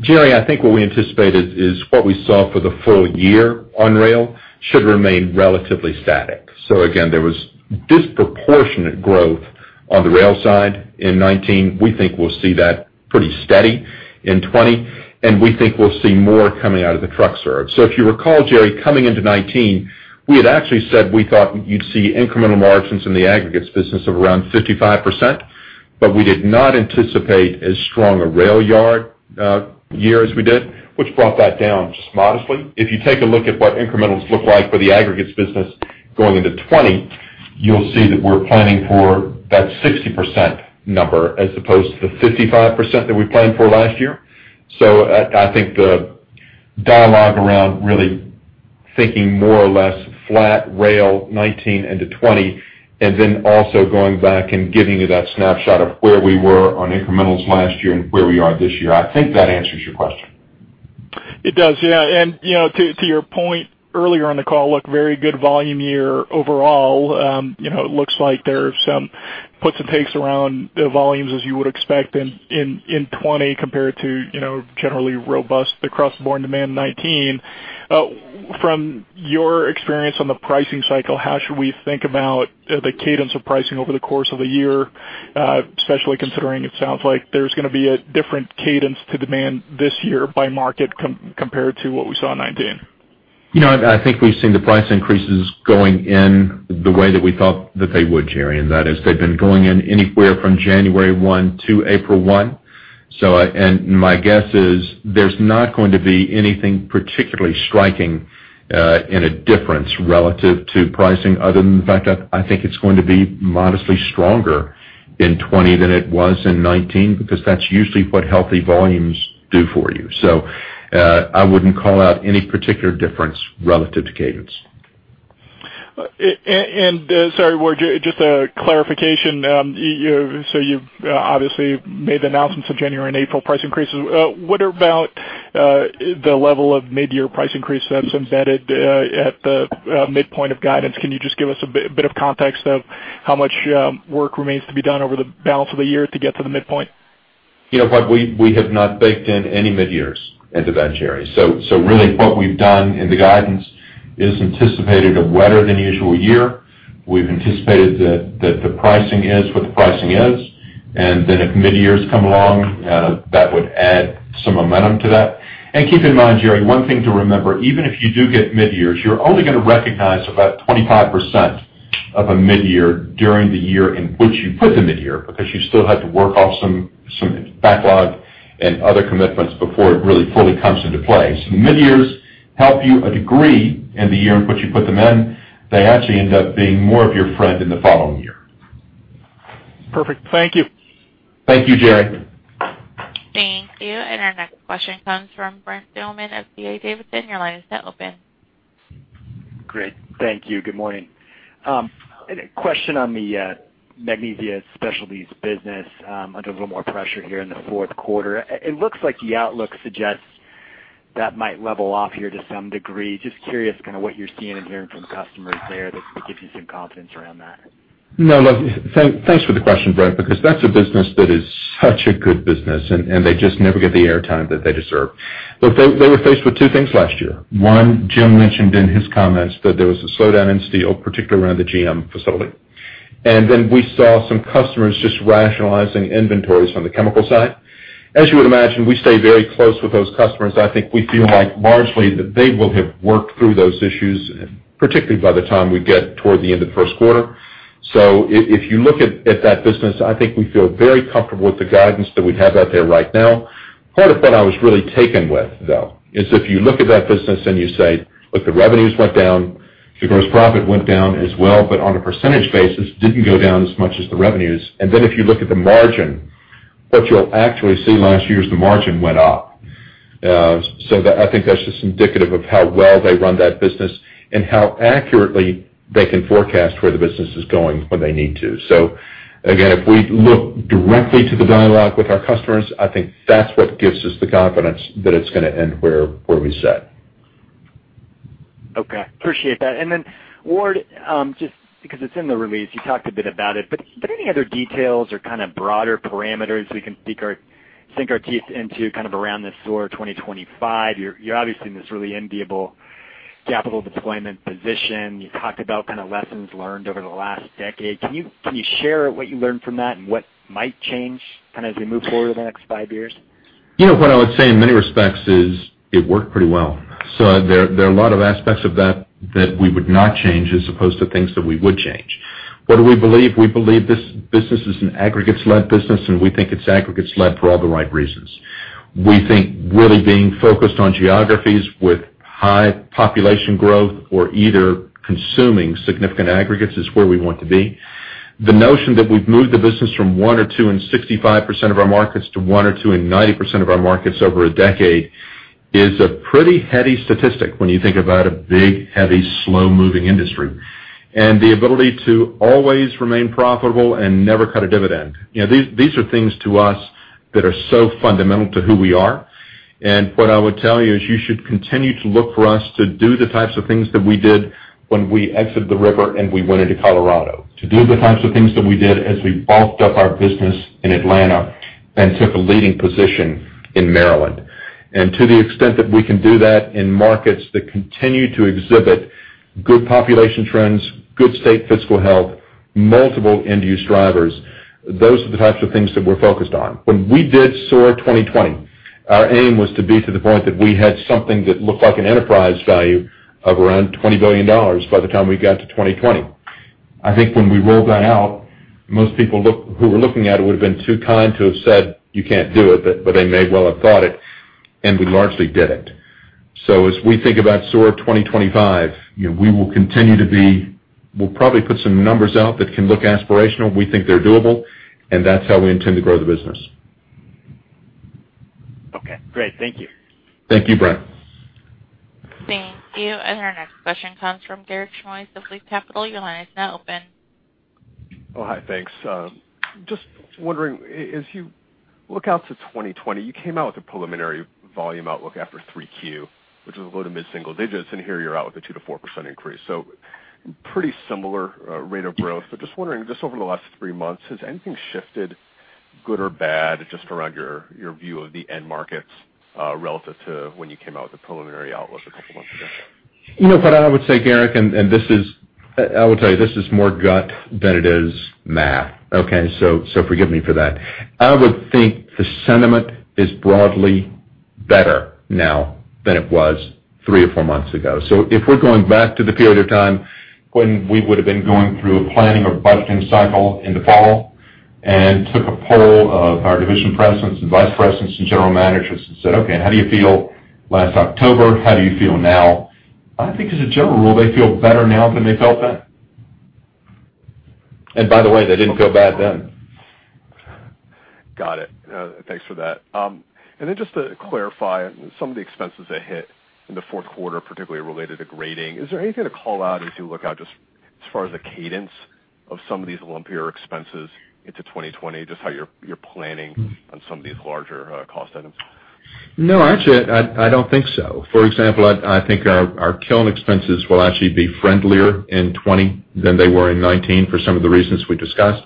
Jerry, I think what we anticipated is what we saw for the full-year on rail should remain relatively static. Again, there was disproportionate growth on the rail side in 2019. We think we'll see that pretty steady in 2020, and we think we'll see more coming out of the truck serve. If you recall, Jerry, coming into 2019, we had actually said we thought you'd see incremental margins in the aggregates business of around 55%, but we did not anticipate as strong a rail yard year as we did, which brought that down just modestly. If you take a look at what incrementals look like for the aggregates business going into 2020. You'll see that we're planning for that 60% number as opposed to the 55% that we planned for last year. I think the dialogue around really thinking more or less flat rail 2019 into 2020, and then also going back and giving you that snapshot of where we were on incrementals last year and where we are this year. I think that answers your question. It does. Yeah. To your point earlier on the call, look, very good volume year overall. It looks like there are some puts and takes around the volumes as you would expect in 2020 compared to generally robust across-the-board demand in 2019. From your experience on the pricing cycle, how should we think about the cadence of pricing over the course of the year, especially considering it sounds like there's going to be a different cadence to demand this year by market compared to what we saw in 2019? I think we've seen the price increases going in the way that we thought that they would, Jerry. That is they've been going in anywhere from January 1 to April 1. My guess is there's not going to be anything particularly striking in a difference relative to pricing other than the fact that I think it's going to be modestly stronger in 2020 than it was in 2019, because that's usually what healthy volumes do for you. I wouldn't call out any particular difference relative to cadence. Sorry, Ward, just a clarification. You've obviously made the announcements of January and April price increases. What about the level of mid-year price increase that's embedded at the midpoint of guidance? Can you just give us a bit of context of how much work remains to be done over the balance of the year to get to the midpoint? We have not baked in any mid-years into that, Jerry. Really what we've done in the guidance is anticipated a wetter than usual year. We've anticipated that the pricing is what the pricing is, and then if mid-years come along, that would add some momentum to that. Keep in mind, Jerry, one thing to remember, even if you do get mid-years, you're only going to recognize about 25% of a mid-year during the year in which you put the mid-year, because you still have to work off some backlog and other commitments before it really fully comes into play. Mid-years help you a degree in the year in which you put them in. They actually end up being more of your friend in the following year. Perfect. Thank you. Thank you, Jerry. Thank you. Our next question comes from Brent Thielman of D.A. Davidson. Your line is now open. Great. Thank you. Good morning. A question on the Magnesia Specialties business under a little more pressure here in the fourth quarter. It looks like the outlook suggests that might level off here to some degree. Just curious kind of what you're seeing and hearing from customers there that gives you some confidence around that. No. Look, thanks for the question, Brent, because that's a business that is such a good business, and they just never get the airtime that they deserve. Look, they were faced with two things last year. One, Jim mentioned in his comments that there was a slowdown in steel, particularly around the GM facility. We saw some customers just rationalizing inventories on the chemical side. As you would imagine, we stay very close with those customers. I think we feel like largely that they will have worked through those issues, particularly by the time we get toward the end of the first quarter. If you look at that business, I think we feel very comfortable with the guidance that we have out there right now. Part of what I was really taken with, though, is if you look at that business and you say, look, the revenues went down, the gross profit went down as well, but on a percentage basis, didn't go down as much as the revenues. If you look at the margin, what you'll actually see last year is the margin went up. I think that's just indicative of how well they run that business and how accurately they can forecast where the business is going when they need to. Again, if we look directly to the dialogue with our customers, I think that's what gives us the confidence that it's going to end where we said. Okay. Appreciate that. Ward, just because it's in the release, you talked a bit about it, but are there any other details or kind of broader parameters we can sink our teeth into kind of around this SOAR 2025? You're obviously in this really enviable capital deployment position. You talked about kind of lessons learned over the last decade. Can you share what you learned from that and what might change kind of as we move forward in the next five years? What I would say in many respects is it worked pretty well. There are a lot of aspects of that that we would not change as opposed to things that we would change. What do we believe? We believe this business is an aggregates-led business. We think it's aggregates-led for all the right reasons. We think really being focused on geographies with high population growth or either consuming significant aggregates is where we want to be. The notion that we've moved the business from one or two and 65% of our markets to one or two and 90% of our markets over a decade is a pretty heady statistic when you think about a big, heavy, slow-moving industry, the ability to always remain profitable and never cut a dividend. These are things to us that are so fundamental to who we are. What I would tell you is you should continue to look for us to do the types of things that we did when we exited the river and we went into Colorado, to do the types of things that we did as we bulked up our business in Atlanta and took a leading position in Maryland. To the extent that we can do that in markets that continue to exhibit good population trends, good state fiscal health, multiple end-use drivers, those are the types of things that we're focused on. When we did SOAR 2020, our aim was to be to the point that we had something that looked like an enterprise value of around $20 billion by the time we got to 2020. I think when we rolled that out, most people who were looking at it would have been too kind to have said, "You can't do it," but they may well have thought it, and we largely did it. As we think about SOAR 2025, we'll probably put some numbers out that can look aspirational. We think they're doable, and that's how we intend to grow the business. Okay, great. Thank you. Thank you, Brent. Thank you. Our next question comes from Garik Shmois of Loop Capital. Your line is now open. Oh, hi. Thanks. Just wondering, as you look out to 2020, you came out with a preliminary volume outlook after 3Q, which is low-to-mid single digits, and here you're out with a 2% to 4% increase. Pretty similar rate of growth, but just wondering, just over the last three months, has anything shifted, good or bad, just around your view of the end markets relative to when you came out with the preliminary outlook a couple months ago? What I would say, Garik, and I will tell you, this is more gut than it is math. Okay. Forgive me for that. I would think the sentiment is broadly better now than it was three or four months ago. If we're going back to the period of time when we would've been going through a planning or budgeting cycle in the fall and took a poll of our division presidents and vice presidents and general managers and said, "Okay, how do you feel last October? How do you feel now?" I think as a general rule, they feel better now than they felt then. By the way, they didn't feel bad then. Got it. Thanks for that. Just to clarify some of the expenses that hit in the fourth quarter, particularly related to grading. Is there anything to call out as you look out just as far as the cadence of some of these lumpier expenses into 2020, just how you're planning on some of these larger cost items? No, actually, I don't think so. For example, I think our kiln expenses will actually be friendlier in 2020 than they were in 2019 for some of the reasons we discussed.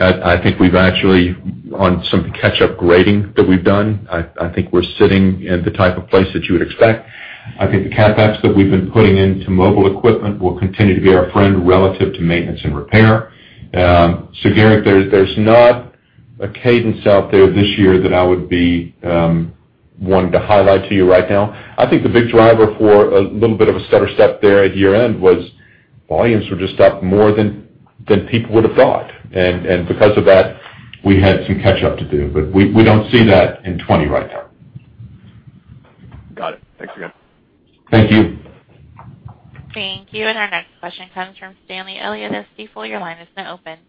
I think we've actually, on some catch-up grading that we've done, I think we're sitting at the type of place that you would expect. I think the CapEx that we've been putting into mobile equipment will continue to be our friend relative to maintenance and repair. Garik, there's not a cadence out there this year that I would be wanting to highlight to you right now. I think the big driver for a little bit of a stutter step there at year-end was volumes were just up more than people would have thought. Because of that, we had some catch up to do, but we don't see that in 2020 right now. Got it. Thanks again. Thank you. Thank you. Our next question comes from Stanley Elliott of Stifel. Your line has been opened.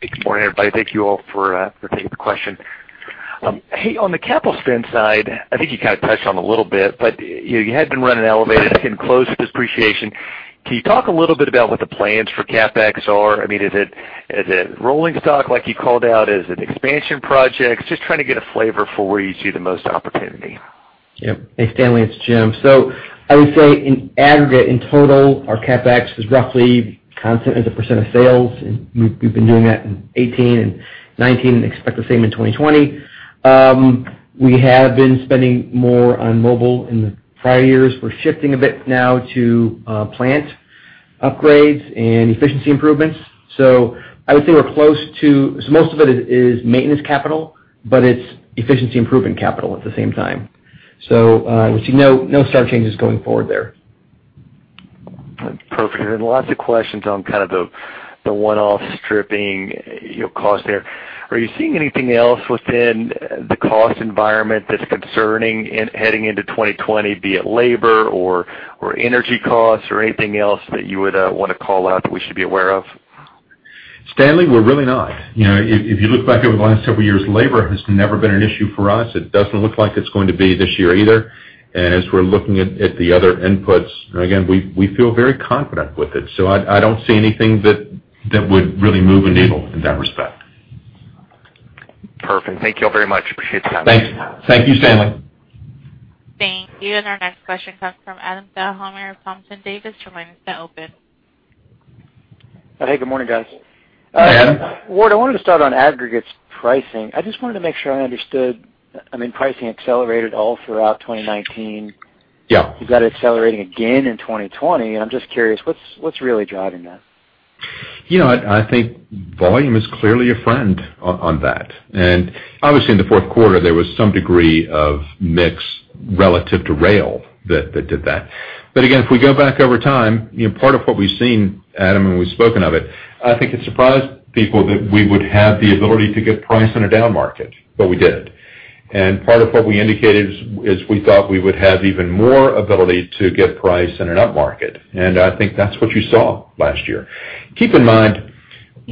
Good morning, everybody. Thank you all for taking the question. Hey, on the capital spend side, I think you kind of touched on it a little bit, but you had been running elevated again close to depreciation. Can you talk a little bit about what the plans for CapEx are? Is it rolling stock like you called out? Is it expansion projects? Just trying to get a flavor for where you see the most opportunity. Yep. Hey, Stanley, it's Jim. I would say in aggregate, in total, our CapEx was roughly constant as a percent of sales, and we've been doing that in 2018 and 2019, and expect the same in 2020. We have been spending more on mobile in the prior years. We're shifting a bit now to plant upgrades and efficiency improvements. Most of it is maintenance capital, but it's efficiency improvement capital at the same time. We see no sudden changes going forward there. Perfect. Lots of questions on kind of the one-off stripping cost there. Are you seeing anything else within the cost environment that's concerning heading into 2020, be it labor or energy costs or anything else that you would want to call out that we should be aware of? Stanley, we're really not. If you look back over the last several years, labor has never been an issue for us. It doesn't look like it's going to be this year either. As we're looking at the other inputs, again, we feel very confident with it. I don't see anything that would really move a needle in that respect. Perfect. Thank you all very much. Appreciate the time. Thanks. Thank you, Stanley. Thank you. Our next question comes from Adam Thalhimer of Thompson Davis. Your line is now open. Hey, good morning, guys. Hey, Adam. Ward, I wanted to start on aggregates pricing. I just wanted to make sure I understood. Pricing accelerated all throughout 2019. Yeah. You've got it accelerating again in 2020, and I'm just curious what's really driving that? I think volume is clearly a friend on that. Obviously in the fourth quarter, there was some degree of mix relative to rail that did that. Again, if we go back over time, part of what we've seen, Adam, and we've spoken of it, I think it surprised people that we would have the ability to get price in a down market, but we did. Part of what we indicated is we thought we would have even more ability to get price in an up market. I think that's what you saw last year. Keep in mind,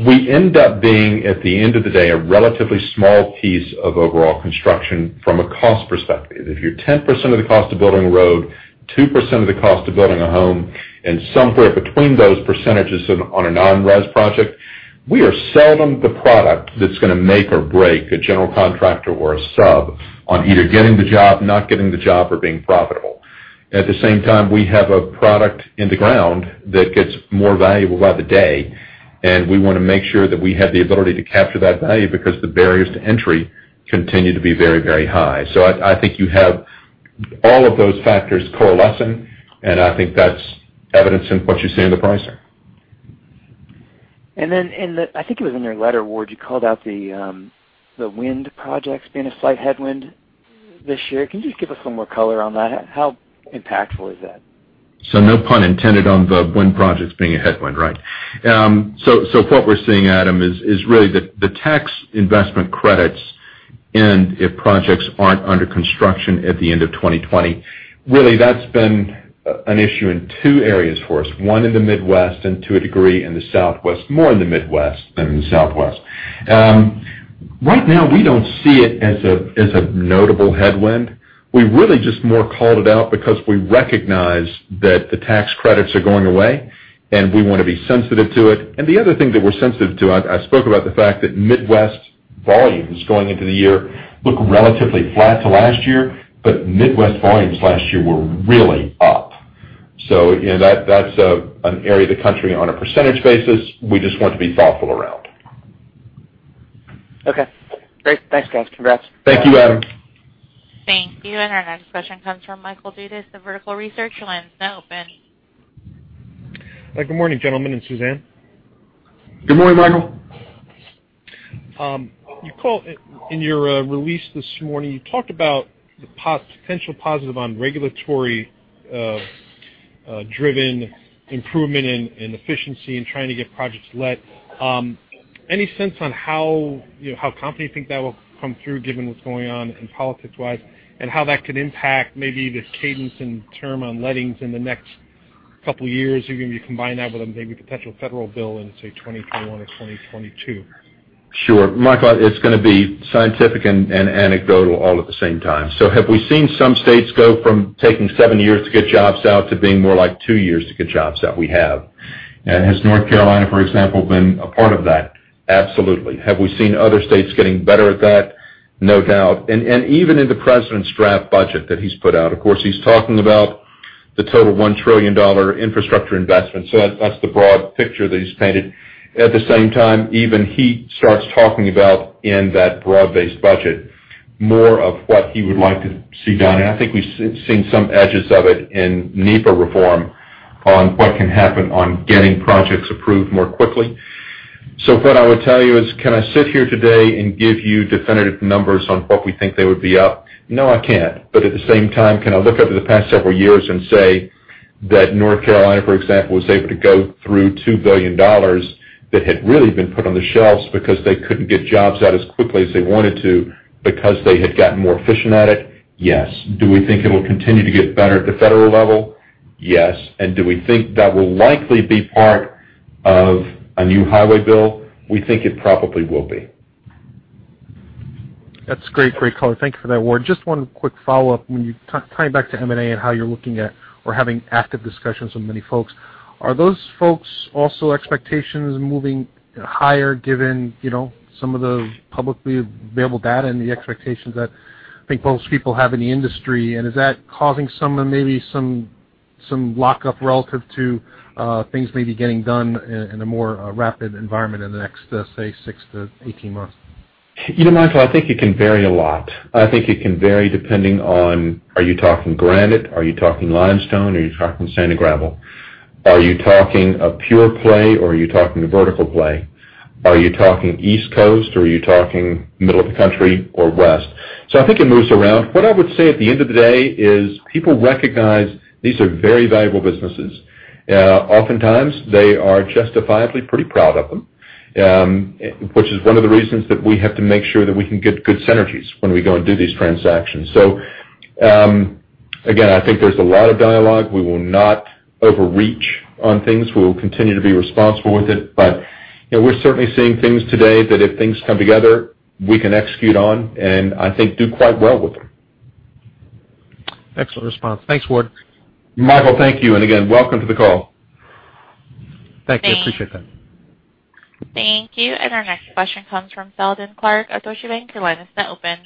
we end up being, at the end of the day, a relatively small piece of overall construction from a cost perspective. If you're 10% of the cost of building a road, 2% of the cost of building a home, and somewhere between those percentages on a non-res project, we are seldom the product that's going to make or break a general contractor or a sub on either getting the job, not getting the job, or being profitable. At the same time, we have a product in the ground that gets more valuable by the day, and we want to make sure that we have the ability to capture that value because the barriers to entry continue to be very, very high. I think you have all of those factors coalescing, and I think that's evidenced in what you see in the pricing. In the, I think it was in your letter, Ward, you called out the wind projects being a slight headwind this year. Can you just give us some more color on that? How impactful is that? No pun intended on the wind projects being a headwind, right? What we're seeing, Adam, is really the tax investment credits, and if projects aren't under construction at the end of 2020, really that's been an issue in two areas for us. One in the Midwest and to a degree in the Southwest. More in the Midwest than in the Southwest. Right now, we don't see it as a notable headwind. We really just more called it out because we recognize that the tax credits are going away, and we want to be sensitive to it. The other thing that we're sensitive to, I spoke about the fact that Midwest volumes going into the year look relatively flat to last year. Midwest volumes last year were really up. That's an area of the country on a % basis, we just want to be thoughtful around. Okay, great. Thanks, guys. Congrats. Thank you, Adam. Thank you. Our next question comes from Michael Dudas of Vertical Research. Your line is now open. Good morning, gentlemen and Suzanne. Good morning, Michael. In your release this morning, you talked about the potential positive on regulatory-driven improvement in efficiency in trying to get projects let. Any sense on how confident you think that will come through given what's going on politics-wise, and how that could impact maybe the cadence and term on lettings in the next couple of years, even if you combine that with maybe a potential federal bill in, say, 2021 or 2022? Sure. Michael, it's going to be scientific and anecdotal all at the same time. Have we seen some states go from taking seven years to get jobs out to being more like two years to get jobs out? We have. Has North Carolina, for example, been a part of that? Absolutely. Have we seen other states getting better at that? No doubt. Even in the President's draft budget that he's put out, of course, he's talking about the total $1 trillion infrastructure investment. That's the broad picture that he's painted. At the same time, even he starts talking about, in that broad-based budget, more of what he would like to see done. I think we've seen some edges of it in NEPA reform on what can happen on getting projects approved more quickly. What I would tell you is, can I sit here today and give you definitive numbers on what we think they would be up? No, I can't. At the same time, can I look over the past several years and say that North Carolina, for example, was able to go through $2 billion that had really been put on the shelves because they couldn't get jobs out as quickly as they wanted to because they had gotten more efficient at it? Yes. Do we think it'll continue to get better at the federal level? Yes. Do we think that will likely be part of a new highway bill? We think it probably will be. That's great color. Thank you for that, Ward. Just one quick follow-up. Tying back to M&A and how you're looking at or having active discussions with many folks. Are those folks also expectations moving higher given some of the publicly available data and the expectations that I think most people have in the industry, and is that causing maybe some lockup relative to things maybe getting done in a more rapid environment in the next, say, six to 18 months? Michael, I think it can vary a lot. I think it can vary depending on, are you talking granite? Are you talking limestone? Are you talking sand and gravel? Are you talking a pure play or are you talking a vertical play? Are you talking East Coast or are you talking middle of the country or west? I think it moves around. What I would say at the end of the day is people recognize these are very valuable businesses. Oftentimes, they are justifiably pretty proud of them, which is one of the reasons that we have to make sure that we can get good synergies when we go and do these transactions. Again, I think there's a lot of dialogue. We will not overreach on things. We will continue to be responsible with it. We're certainly seeing things today that if things come together, we can execute on, and I think do quite well with them. Excellent response. Thanks, Ward. Michael, thank you. Again, welcome to the call. Thank you. I appreciate that. Thank you. Our next question comes from Seldon Clarke of Deutsche Bank. Your line is now open.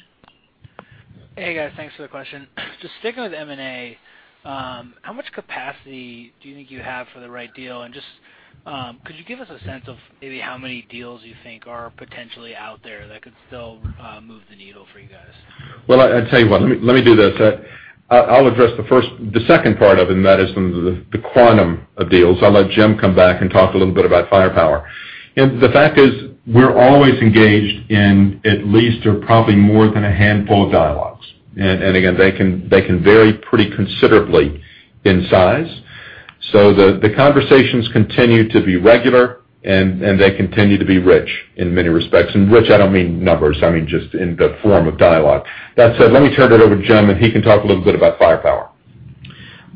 Hey, guys. Thanks for the question. Just sticking with M&A, how much capacity do you think you have for the right deal? Just could you give us a sense of maybe how many deals you think are potentially out there that could still move the needle for you guys? Well, I tell you what. Let me do this. I'll address the second part of it, and that is the quantum of deals. I'll let Jim come back and talk a little bit about firepower. The fact is, we're always engaged in at least or probably more than a handful of dialogues. Again, they can vary pretty considerably in size. The conversations continue to be regular, and they continue to be rich in many respects. Rich, I don't mean numbers, I mean just in the form of dialogue. That said, let me turn it over to Jim, and he can talk a little bit about firepower.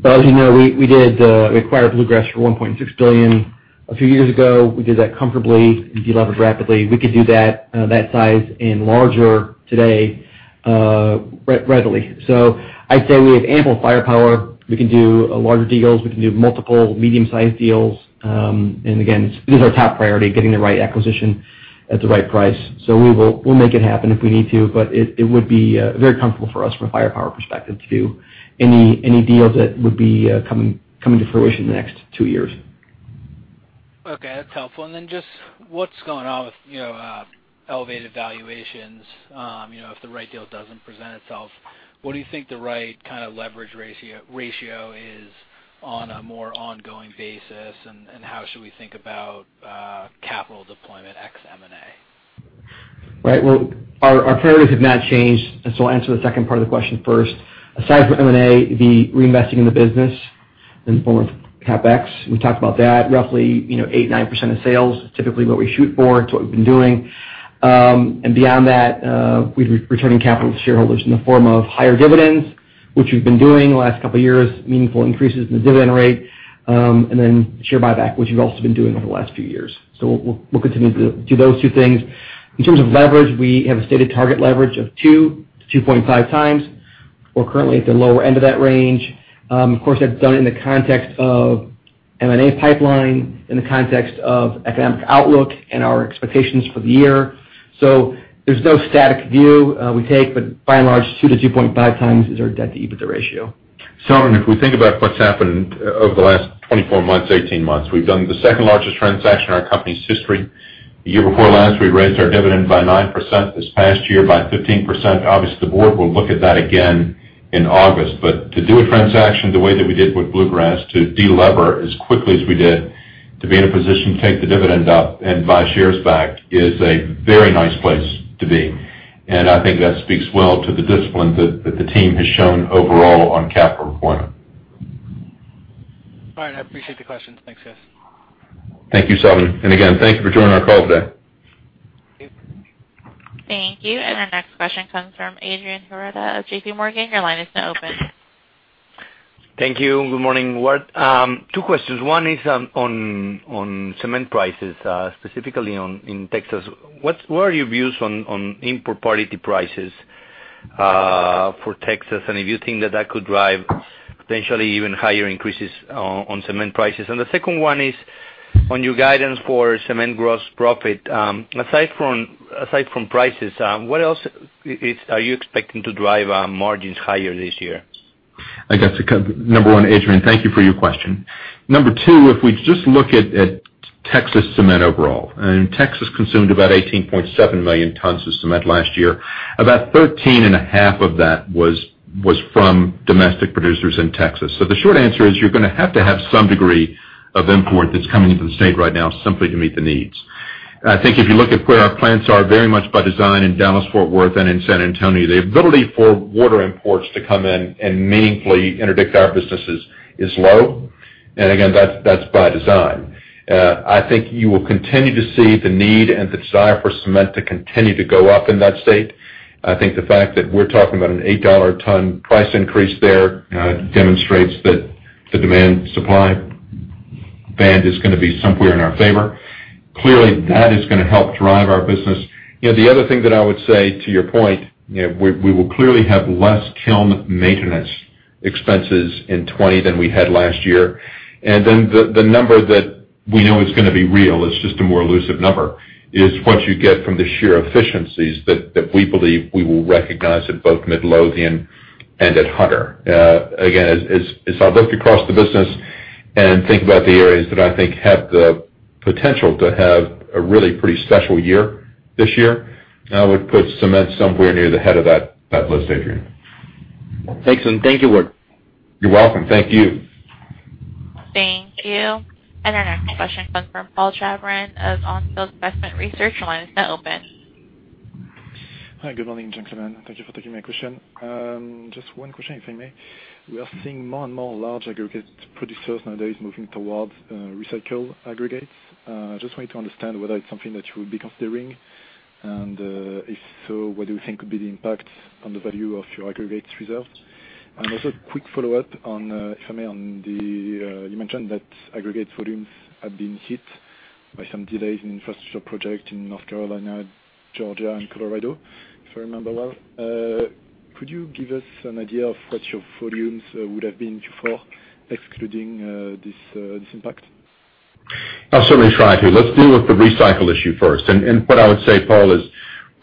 Well, as you know, we acquired Bluegrass for $1.6 billion a few years ago. We did that comfortably and delevered rapidly. We could do that size and larger today readily. I'd say we have ample firepower. We can do larger deals. We can do multiple medium-sized deals. Again, it is our top priority, getting the right acquisition at the right price. We'll make it happen if we need to, but it would be very comfortable for us from a firepower perspective to do any deals that would be coming to fruition in the next two years. Okay, that's helpful. What's going on with elevated valuations? If the right deal doesn't present itself, what do you think the right kind of leverage ratio is on a more ongoing basis, and how should we think about capital deployment ex M&A? Right. Well, our priorities have not changed. I'll answer the second part of the question first. Aside from CapEx, the reinvesting in the business in the form of CapEx, we talked about that. Roughly 8%, 9% of sales is typically what we shoot for. It's what we've been doing. Beyond that, we'd be returning capital to shareholders in the form of higher dividends, which we've been doing the last couple of years, meaningful increases in the dividend rate, and then share buyback, which we've also been doing over the last few years. We'll continue to do those two things. In terms of leverage, we have a stated target leverage of 2-2.5x. We're currently at the lower end of that range. Of course, that's done in the context of M&A pipeline, in the context of economic outlook and our expectations for the year. There's no static view we take, but by and large, 2x-2.5x is our debt-to-EBITDA ratio. Seldon, if we think about what's happened over the last 24 months, 18 months, we've done the second-largest transaction in our company's history. The year before last, we raised our dividend by 9%, this past year by 15%. Obviously, the board will look at that again in August. To do a transaction the way that we did with Bluegrass, to de-lever as quickly as we did, to be in a position to take the dividend up and buy shares back is a very nice place to be. I think that speaks well to the discipline that the team has shown overall on capital deployment. All right. I appreciate the questions. Thanks, guys. Thank you, Seldon. Again, thank you for joining our call today. Thank you. Our next question comes from Adrian Huerta of JPMorgan. Your line is now open. Thank you. Good morning. Two questions. One is on cement prices, specifically in Texas. What are your views on import parity prices for Texas, and if you think that that could drive potentially even higher increases on cement prices? The second one is on your guidance for cement gross profit. Aside from prices, what else are you expecting to drive margins higher this year? I guess to cover number one, Adrian, thank you for your question. Number two, if we just look at Texas cement overall, Texas consumed about 18.7 million tons of cement last year. About 13 and a half of that was from domestic producers in Texas. The short answer is you're going to have to have some degree of import that's coming into the state right now simply to meet the needs. I think if you look at where our plants are very much by design in Dallas-Fort Worth and in San Antonio, the ability for water imports to come in and meaningfully interdict our businesses is low. Again, that's by design. I think you will continue to see the need and the desire for cement to continue to go up in that state. I think the fact that we're talking about an $8 ton price increase there demonstrates that the demand supply band is going to be somewhere in our favor. Clearly, that is going to help drive our business. The other thing that I would say to your point, we will clearly have less kiln maintenance expenses in 2020 than we had last year. The number that we know is going to be real, it's just a more elusive number, is what you get from the sheer efficiencies that we believe we will recognize at both Midlothian and at Hunter. Again, as I look across the business and think about the areas that I think have the potential to have a really pretty special year this year, I would put cement somewhere near the head of that list, Adrian. Thanks. Thank you, Ward. You're welcome. Thank you. Thank you. Our next question comes from Paul Chabran of On Field Investment Research. Your line is now open. Hi, good morning, gentlemen. Thank you for taking my question. Just one question, if I may. We are seeing more and more large aggregate producers nowadays moving towards recycled aggregates. I just wanted to understand whether it's something that you would be considering, and if so, what do you think could be the impact on the value of your aggregates reserve? Also, a quick follow-up, if I may. You mentioned that aggregate volumes have been hit by some delays in infrastructure project in North Carolina, Georgia, and Colorado, if I remember well. Could you give us an idea of what your volumes would have been before excluding this impact? I'll certainly try to. Let's deal with the recycle issue first. What I would say, Paul, is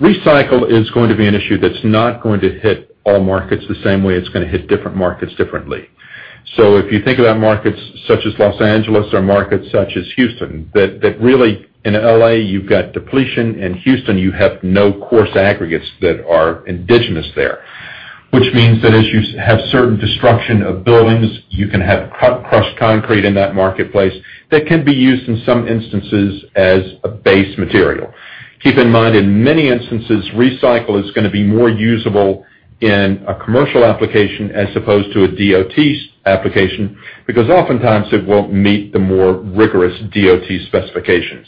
recycle is going to be an issue that's not going to hit all markets the same way. It's going to hit different markets differently. If you think about markets such as Los Angeles or markets such as Houston, that really in L.A., you've got depletion. In Houston, you have no coarse aggregates that are indigenous there, which means that as you have certain destruction of buildings, you can have crushed concrete in that marketplace that can be used in some instances as a base material. Keep in mind, in many instances, recycle is going to be more usable in a commercial application as opposed to a DOT application, because oftentimes it won't meet the more rigorous DOT specifications.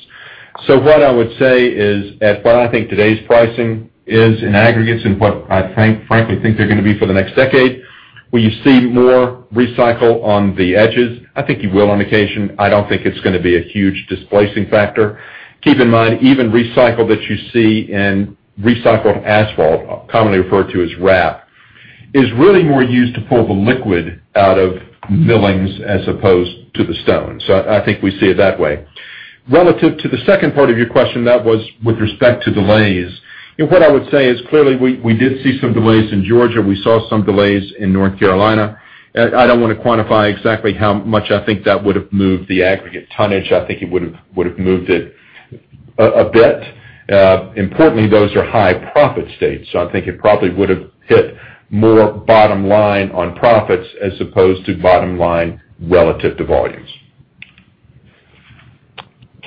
What I would say is at what I think today's pricing is in aggregates and what I frankly think they're going to be for the next decade. Will you see more recycle on the edges? I think you will on occasion. I don't think it's going to be a huge displacing factor. Keep in mind, even recycle that you see in recycled asphalt, commonly referred to as RAP, is really more used to pull the liquid out of millings as opposed to the stone. I think we see it that way. Relative to the second part of your question, that was with respect to delays. What I would say is, clearly, we did see some delays in Georgia. We saw some delays in North Carolina. I don't want to quantify exactly how much I think that would have moved the aggregate tonnage. I think it would have moved it a bit. Those are high profit states, so I think it probably would have hit more bottom line on profits as opposed to bottom line relative to volumes.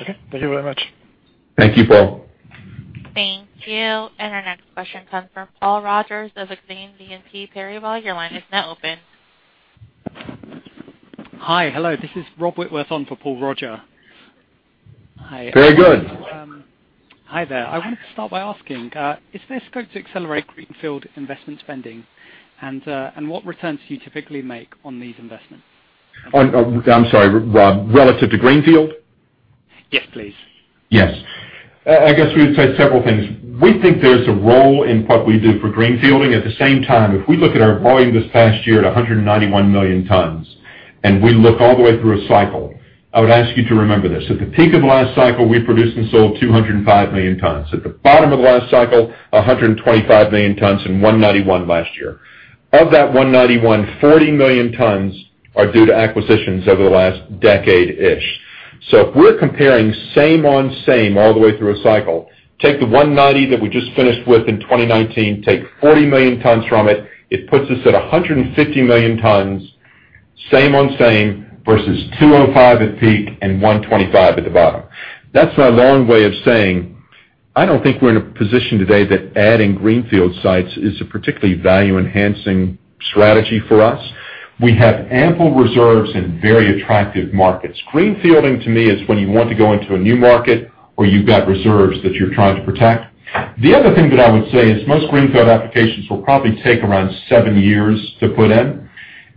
Okay. Thank you very much. Thank you, Paul. Thank you. Our next question comes from Paul Roger of Exane BNP Paribas. Your line is now open. Hi. Hello. This is Robert Whitworth on for Paul Roger. Hi. Very good. Hi there. I wanted to start by asking, is this going to accelerate greenfield investment spending? What returns do you typically make on these investments? I'm sorry, Rob, relative to greenfield? Yes, please. Yes. I guess we would say several things. We think there's a role in what we do for greenfielding. At the same time, if we look at our volume this past year at 191 million tons, we look all the way through a cycle, I would ask you to remember this. At the peak of last cycle, we produced and sold 205 million tons. At the bottom of the last cycle, 125 million tons and 191 last year. Of that 191, 40 million tons are due to acquisitions over the last decade-ish. If we're comparing same on same all the way through a cycle, take the 190 that we just finished with in 2019, take 40 million tons from it puts us at 150 million tons, same on same, versus 205 at peak and 125 at the bottom. That's my long way of saying, I don't think we're in a position today that adding greenfield sites is a particularly value-enhancing strategy for us. We have ample reserves in very attractive markets. Greenfielding to me is when you want to go into a new market or you've got reserves that you're trying to protect. The other thing that I would say is most greenfield applications will probably take around seven years to put in.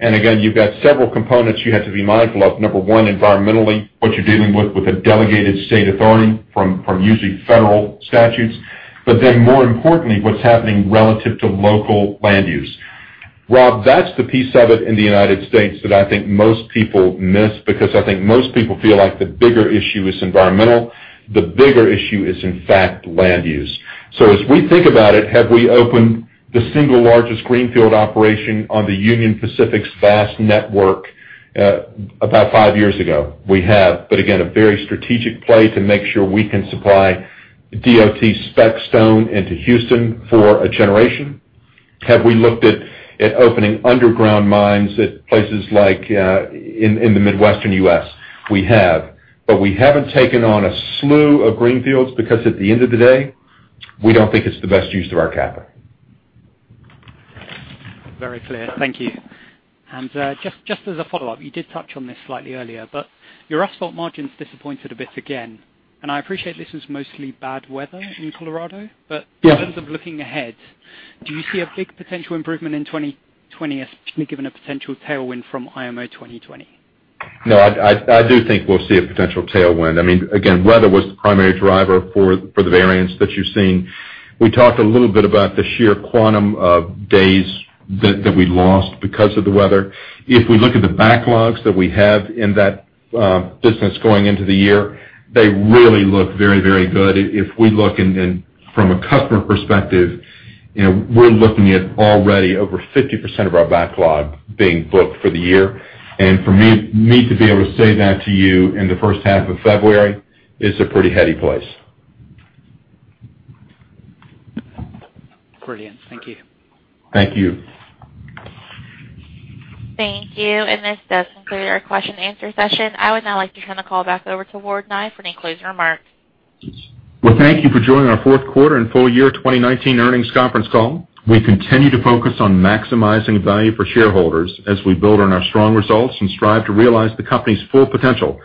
Again, you've got several components you have to be mindful of. Number one, environmentally, what you're dealing with a delegated state authority from usually federal statutes. More importantly, what's happening relative to local land use. Rob, that's the piece of it in the U.S. that I think most people miss because I think most people feel like the bigger issue is environmental. The bigger issue is, in fact, land use. As we think about it, have we opened the single largest greenfield operation on the Union Pacific's vast network about five years ago? We have. Again, a very strategic play to make sure we can supply DOT spec stone into Houston for a generation. Have we looked at opening underground mines at places like in the Midwestern U.S.? We have. We haven't taken on a slew of greenfields because at the end of the day, we don't think it's the best use of our capital. Very clear. Thank you. Just as a follow-up, you did touch on this slightly earlier, but your asphalt margins disappointed a bit again. I appreciate this is mostly bad weather in Colorado. Yeah. In terms of looking ahead, do you see a big potential improvement in 2020, especially given a potential tailwind from IMO 2020? No, I do think we'll see a potential tailwind. Again, weather was the primary driver for the variance that you're seeing. We talked a little bit about the sheer quantum of days that we lost because of the weather. If we look at the backlogs that we have in that business going into the year, they really look very good. If we look from a customer perspective, we're looking at already over 50% of our backlog being booked for the year. For me to be able to say that to you in the first half of February, it's a pretty heady place. Brilliant. Thank you. Thank you. Thank you. This does conclude our question-and-answer session. I would now like to turn the call back over to Ward Nye for any closing remarks. Well, thank you for joining our fourth quarter and full-year 2019 earnings conference call. We continue to focus on maximizing value for shareholders as we build on our strong results and strive to realize the company's full potential.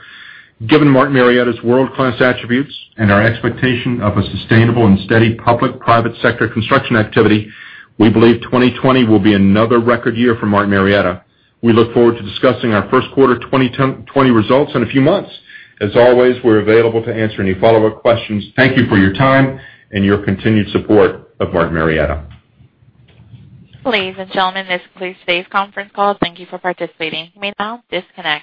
Given Martin Marietta's world-class attributes and our expectation of a sustainable and steady public-private sector construction activity, we believe 2020 will be another record year for Martin Marietta. We look forward to discussing our first quarter 2020 results in a few months. As always, we're available to answer any follow-up questions. Thank you for your time and your continued support of Martin Marietta. Ladies and gentlemen, this concludes today's conference call. Thank you for participating. You may now disconnect.